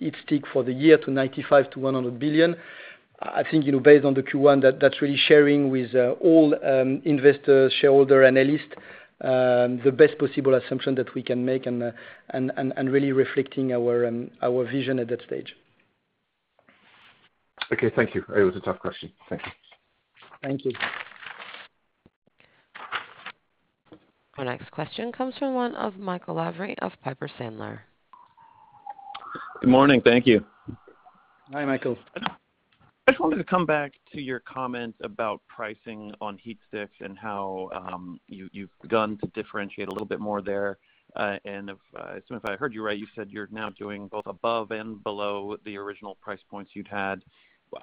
HeatSticks for the year to 95 billion HeatSticks-100 billion HeatSticks. I think, based on the Q1, that's really sharing with all investors, shareholder, analyst, the best possible assumption that we can make and really reflecting our vision at that stage. Okay, thank you. It was a tough question. Thank you. Thank you. Our next question comes from one of Michael Lavery of Piper Sandler. Good morning. Thank you. Hi, Michael. I just wanted to come back to your comment about pricing on HeatSticks and how you've begun to differentiate a little bit more there. If I heard you right, you said you're now doing both above and below the original price points you'd had.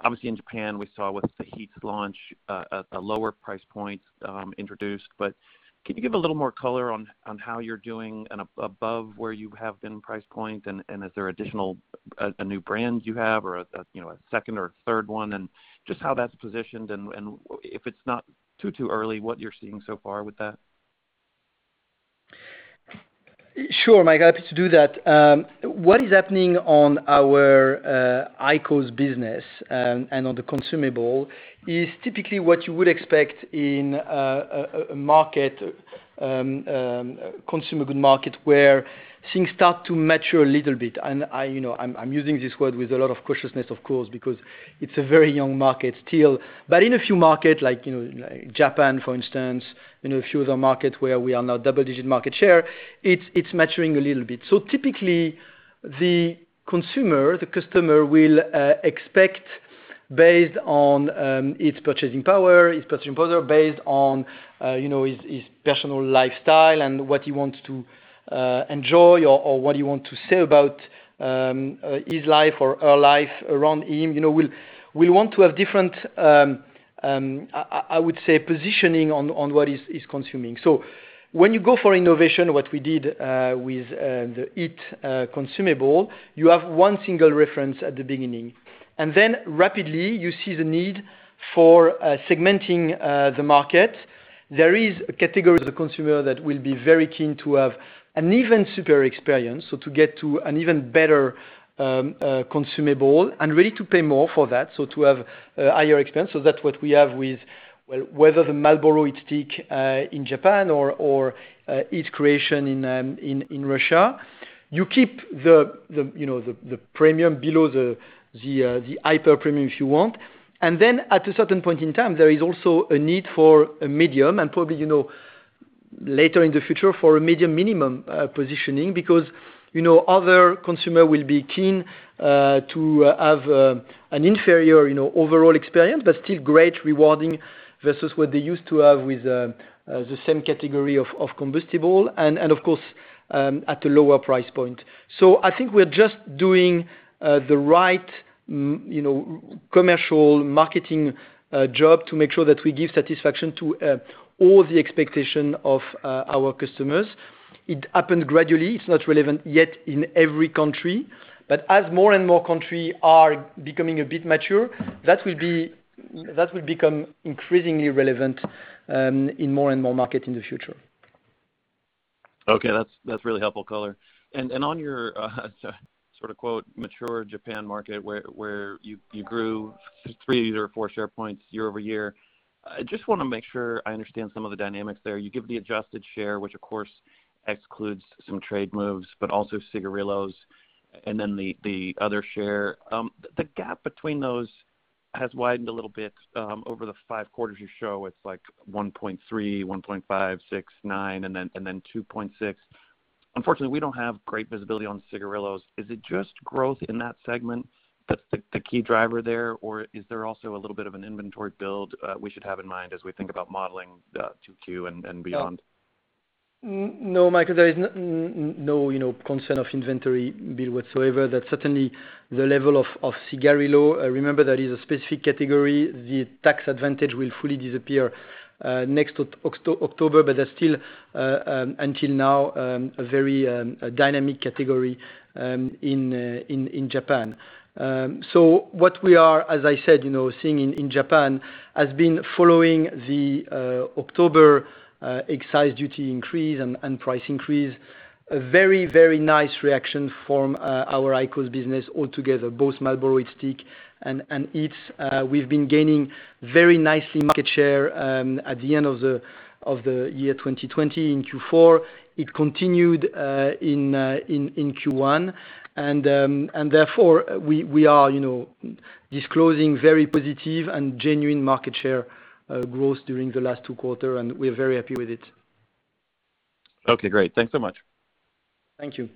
Obviously, in Japan, we saw with the HEETS launch, a lower price point introduced. Can you give a little more color on how you're doing and above where you have been price point, and is there additional, a new brand you have or a second or third one? Just how that's positioned, and if it's not too early, what you're seeing so far with that? Sure, Michael. Happy to do that. What is happening on our IQOS business, on the consumable is typically what you would expect in a consumer good market where things start to mature a little bit. I'm using this word with a lot of cautiousness, of course, because it's a very young market still. In a few market like Japan, for instance, in a few other market where we are now double-digit market share, it's maturing a little bit. Typically, the consumer, the customer will expect, based on its purchasing power, based on his personal lifestyle and what he wants to enjoy or what he want to say about his life or her life around him. We want to have different, I would say, positioning on what he's consuming. When you go for innovation, what we did with the IQOS consumable, you have one single reference at the beginning. Rapidly you see the need for segmenting the market. There is a category of the consumer that will be very keen to have an even superior experience, so to get to an even better consumable and ready to pay more for that. To have a higher expense. That's what we have with whether the Marlboro HeatStick in Japan or HEETS Creations in Russia. You keep the premium below the hyper premium if you want. At a certain point in time, there is also a need for a medium and probably, later in the future for a medium minimum positioning because other consumer will be keen to have an inferior, overall experience, but still great rewarding versus what they used to have with the same category of combustible and of course, at a lower price point. I think we are just doing the right commercial marketing job to make sure that we give satisfaction to all the expectation of our customers. It happens gradually. It's not relevant yet in every country, but as more and more country are becoming a bit mature, that will become increasingly relevant in more and more market in the future. Okay. That's really helpful color. On your sort of quote, mature Japan market where you grew 3 share points to 4 share points year-over-year, I just want to make sure I understand some of the dynamics there. You give the adjusted share, which of course excludes some trade moves, but also cigarillos, and then the other share. The gap between those has widened a little bit, over the five quarters you show. It's like 1.3 share points, 1.5 share points, 6 share points, 9 share points, and then 2.6 share points. Unfortunately, we don't have great visibility on cigarillos. Is it just growth in that segment that's the key driver there, or is there also a little bit of an inventory build we should have in mind as we think about modeling the 2Q and beyond? No, Michael, there is no concern of inventory build whatsoever. That's certainly the level of cigarillos. Remember, that is a specific category. That's still, until now, a very dynamic category in Japan. What we are, as I said, seeing in Japan, has been following the October excise duty increase and price increase. A very nice reaction from our IQOS business altogether, both Marlboro HeatStick and IQOS. We've been gaining very nicely market share at the end of the year 2020 in Q4. It continued in Q1. We are disclosing very positive and genuine market share growth during the last two quarter, and we are very happy with it. Okay, great. Thanks so much. Thank you.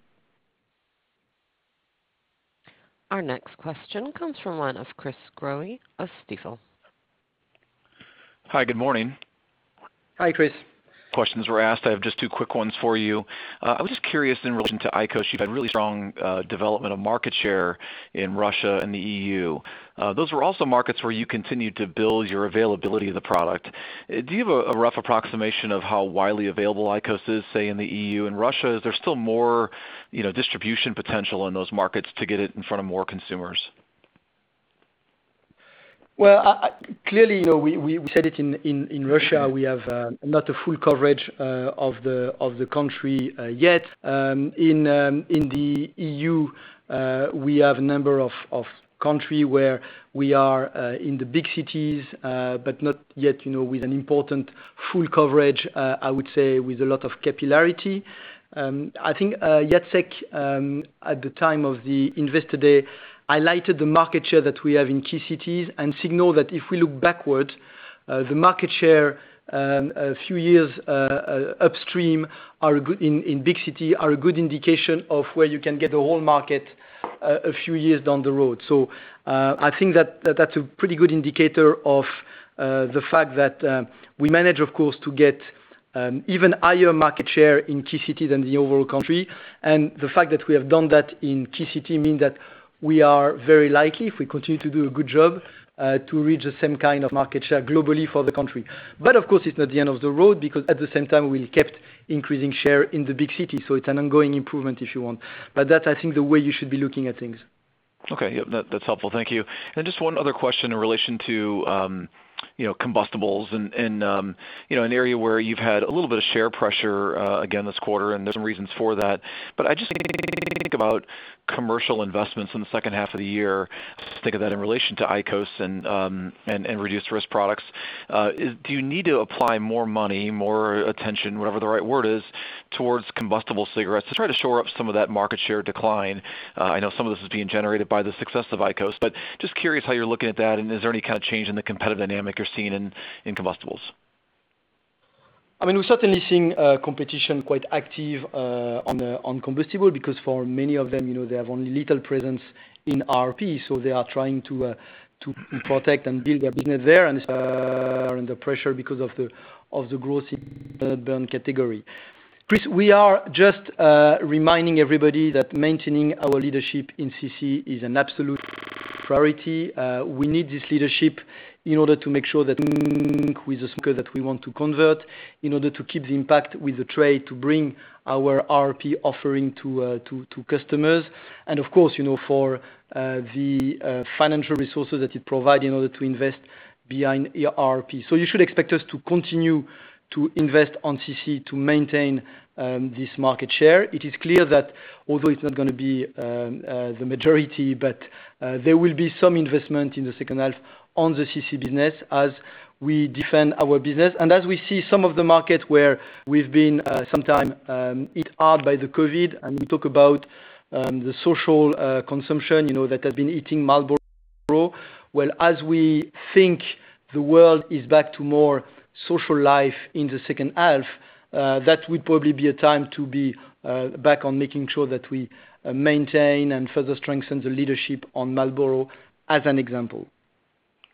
Our next question comes from Chris Growe of Stifel. Hi. Good morning. Hi, Chris. Questions were asked. I have just two quick ones for you. I was just curious in relation to IQOS. You've had really strong development of market share in Russia and the EU. Those were also markets where you continued to build your availability of the product. Do you have a rough approximation of how widely available IQOS is, say, in the EU and Russia? Is there still more distribution potential in those markets to get it in front of more consumers? Well, clearly, we said it in Russia, we have not a full coverage of the country yet. In the EU, we have a number of country where we are in the big cities, but not yet with an important full coverage, I would say, with a lot of capillarity. I think Jacek, at the time of the Investor Day, highlighted the market share that we have in key cities and signal that if we look backwards, the market share a few years upstream in big city are a good indication of where you can get the whole market a few years down the road. So, I think that's a pretty good indicator of the fact that, we manage, of course, to get even higher market share in key cities than the overall country. The fact that we have done that in key city means that we are very likely, if we continue to do a good job, to reach the same kind of market share globally for the country. Of course, it's not the end of the road because at the same time, we kept increasing share in the big city. It's an ongoing improvement if you want. That, I think the way you should be looking at things. Okay. Yep. That's helpful. Thank you. Just one other question in relation to combustibles and an area where you've had a little bit of share pressure, again this quarter, and there's some reasons for that. I just think about commercial investments in the second half of the year. Think of that in relation to IQOS and Reduced-Risk Products. Do you need to apply more money, more attention, whatever the right word is, towards combustible cigarettes to try to shore up some of that market share decline? I know some of this is being generated by the success of IQOS, but just curious how you're looking at that, and is there any kind of change in the competitive dynamic you're seeing in combustibles? We're certainly seeing competition quite active on combustible because for many of them, they have only little presence in RRP, so they are trying to protect and build their business there and are under pressure because of the growth in the heat-not-burn category. Chris, we are just reminding everybody that maintaining our leadership in CC is an absolute priority. We need this leadership in order to make sure that with the smoker that we want to convert, in order to keep the impact with the trade, to bring our RRP offering to customers, and of course, for the financial resources that it provide in order to invest behind RRP. You should expect us to continue to invest on CC to maintain this market share. It is clear that although it's not going to be the majority, but there will be some investment in the second half on the CC business as we defend our business. As we see some of the market where we've been sometime hit hard by the COVID, and we talk about the social consumption, that has been hitting Marlboro. Well, as we think the world is back to more social life in the second half, that will probably be a time to be back on making sure that we maintain and further strengthen the leadership on Marlboro as an example.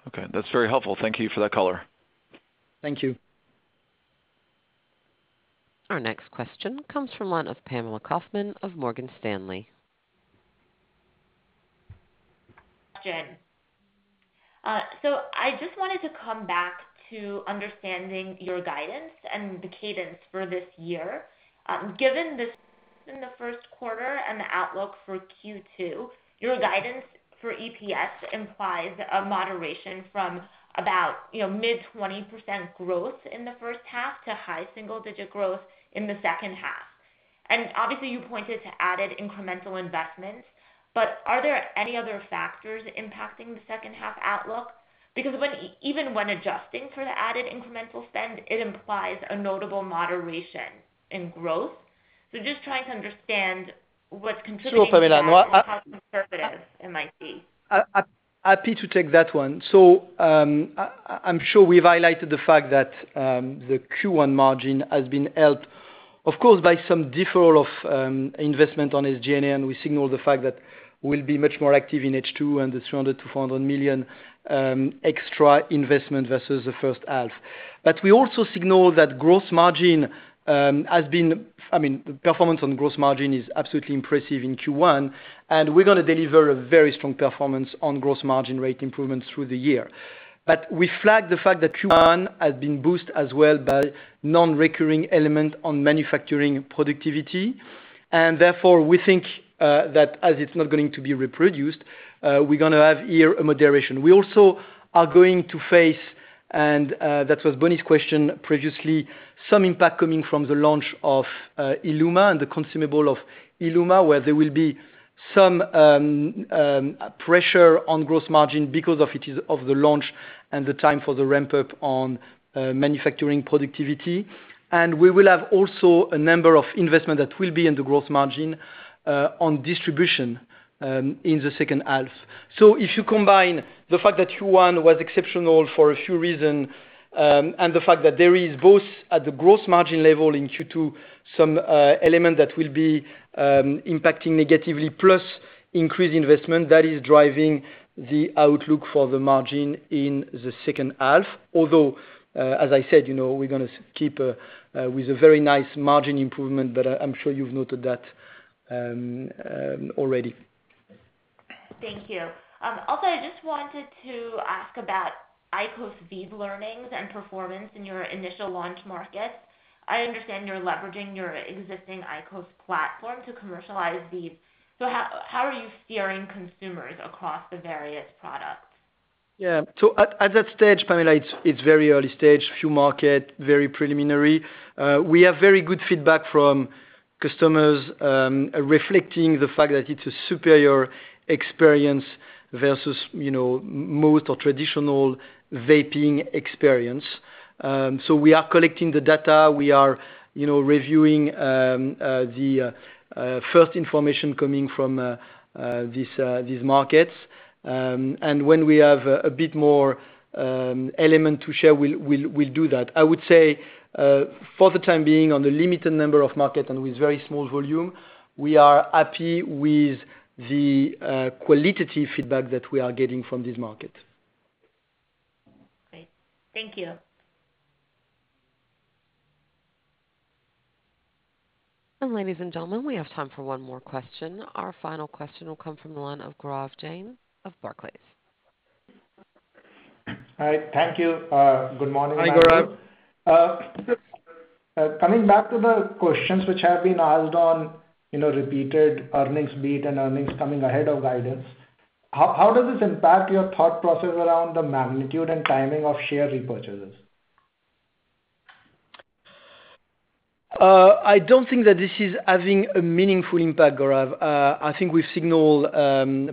Okay. That's very helpful. Thank you for that color. Thank you. Our next question comes from the line of Pamela Kaufman of Morgan Stanley. I just wanted to come back to understanding your guidance and the cadence for this year. Given this in the first quarter and the outlook for Q2, your guidance for EPS implies a moderation from about mid 20% growth in the first half to high single-digit growth in the second half. Obviously, you pointed to added incremental investments, but are there any other factors impacting the second half outlook? Because even when adjusting for the added incremental spend, it implies a notable moderation in growth. Sure, Pamela. how conservative it might be. Happy to take that one. I'm sure we've highlighted the fact that the Q1 margin has been helped, of course, by some deferral of investment on SG&A, and we signaled the fact that we'll be much more active in H2 and the $300 million-$400 million extra investment versus the first half. We also signaled that performance on gross margin is absolutely impressive in Q1, and we're going to deliver a very strong performance on gross margin rate improvements through the year. We flagged the fact that Q1 has been boosted as well by non-recurring element on manufacturing productivity. Therefore, we think that as it's not going to be reproduced, we're going to have here a moderation. We also are going to face, and that was Bonnie's question previously, some impact coming from the launch of ILUMA and the consumable of ILUMA, where there will be some pressure on gross margin because of the launch and the time for the ramp-up on manufacturing productivity. We will have also a number of investment that will be in the gross margin, on distribution in the second half. If you combine the fact that Q1 was exceptional for a few reason, and the fact that there is both at the gross margin level in Q2, some element that will be impacting negatively, plus increased investment, that is driving the outlook for the margin in the second half. Although, as I said, we're going to keep with a very nice margin improvement, but I'm sure you've noted that already. Thank you. I just wanted to ask about IQOS VEEV learnings and performance in your initial launch markets. I understand you're leveraging your existing IQOS platform to commercialize VEEV. How are you steering consumers across the various products? Yeah. At that stage, Pamela, it's very early stage. Few markets, very preliminary. We have very good feedback from customers, reflecting the fact that it's a superior experience versus most or traditional vaping experience. We are collecting the data. We are reviewing the first information coming from these markets. When we have a bit more elements to share, we'll do that. I would say, for the time being, on the limited number of markets and with very small volume, we are happy with the qualitative feedback that we are getting from this market. Great. Thank you. Ladies and gentlemen, we have time for one more question. Our final question will come from the line of Gaurav Jain of Barclays. All right. Thank you. Good morning. Hi, Gaurav. Coming back to the questions which have been asked on repeated earnings beat and earnings coming ahead of guidance, how does this impact your thought process around the magnitude and timing of share repurchases? I don't think that this is having a meaningful impact, Gaurav. I think we signaled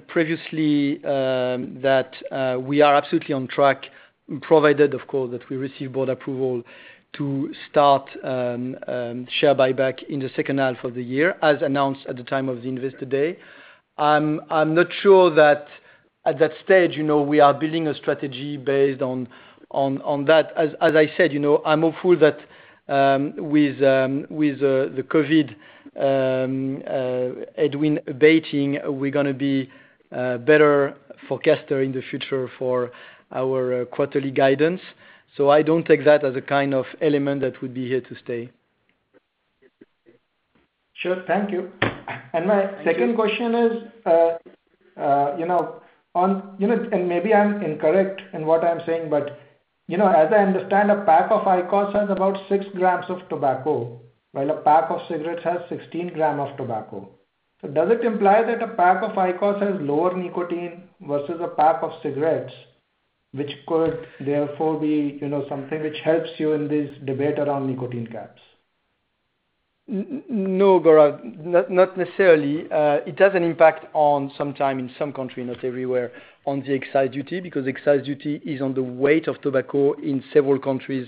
previously, that we are absolutely on track, provided, of course, that we receive board approval to start share buyback in the second half of the year, as announced at the time of the Investor Day. I'm not sure At that stage, we are building a strategy based on that. As I said, I'm hopeful that with the COVID, headwinds abating, we're going to be a better forecaster in the future for our quarterly guidance. I don't take that as a kind of element that would be here to stay. Sure. Thank you. My second question is, and maybe I'm incorrect in what I'm saying, but as I understand, a pack of IQOS has about 6 grams of tobacco, while a pack of cigarettes has 16 gram of tobacco. Does it imply that a pack of IQOS has lower nicotine versus a pack of cigarettes, which could therefore be something which helps you in this debate around nicotine caps? No, Gaurav. Not necessarily. It has an impact on sometime in some country, not everywhere, on the excise duty, because excise duty is on the weight of tobacco in several countries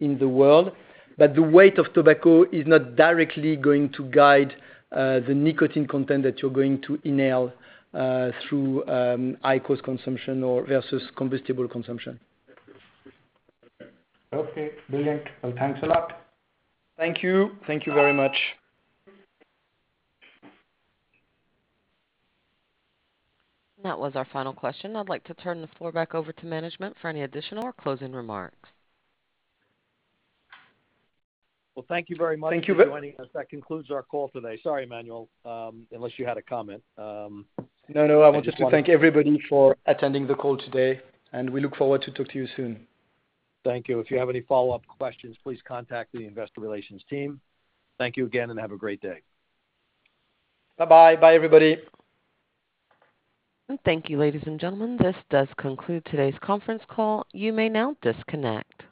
in the world. The weight of tobacco is not directly going to guide the nicotine content that you're going to inhale through IQOS consumption or versus combustible consumption. Okay, brilliant. Well, thanks a lot. Thank you. Thank you very much. That was our final question. I'd like to turn the floor back over to management for any additional or closing remarks. Well, thank you very much for joining us. Thank you. That concludes our call today. Sorry, Emmanuel. Unless you had a comment. No, I want just to thank everybody for attending the call today, and we look forward to talk to you soon. Thank you. If you have any follow-up questions, please contact the investor relations team. Thank you again, and have a great day. Bye-bye. Bye, everybody. Thank you, ladies and gentlemen. This does conclude today's conference call. You may now disconnect.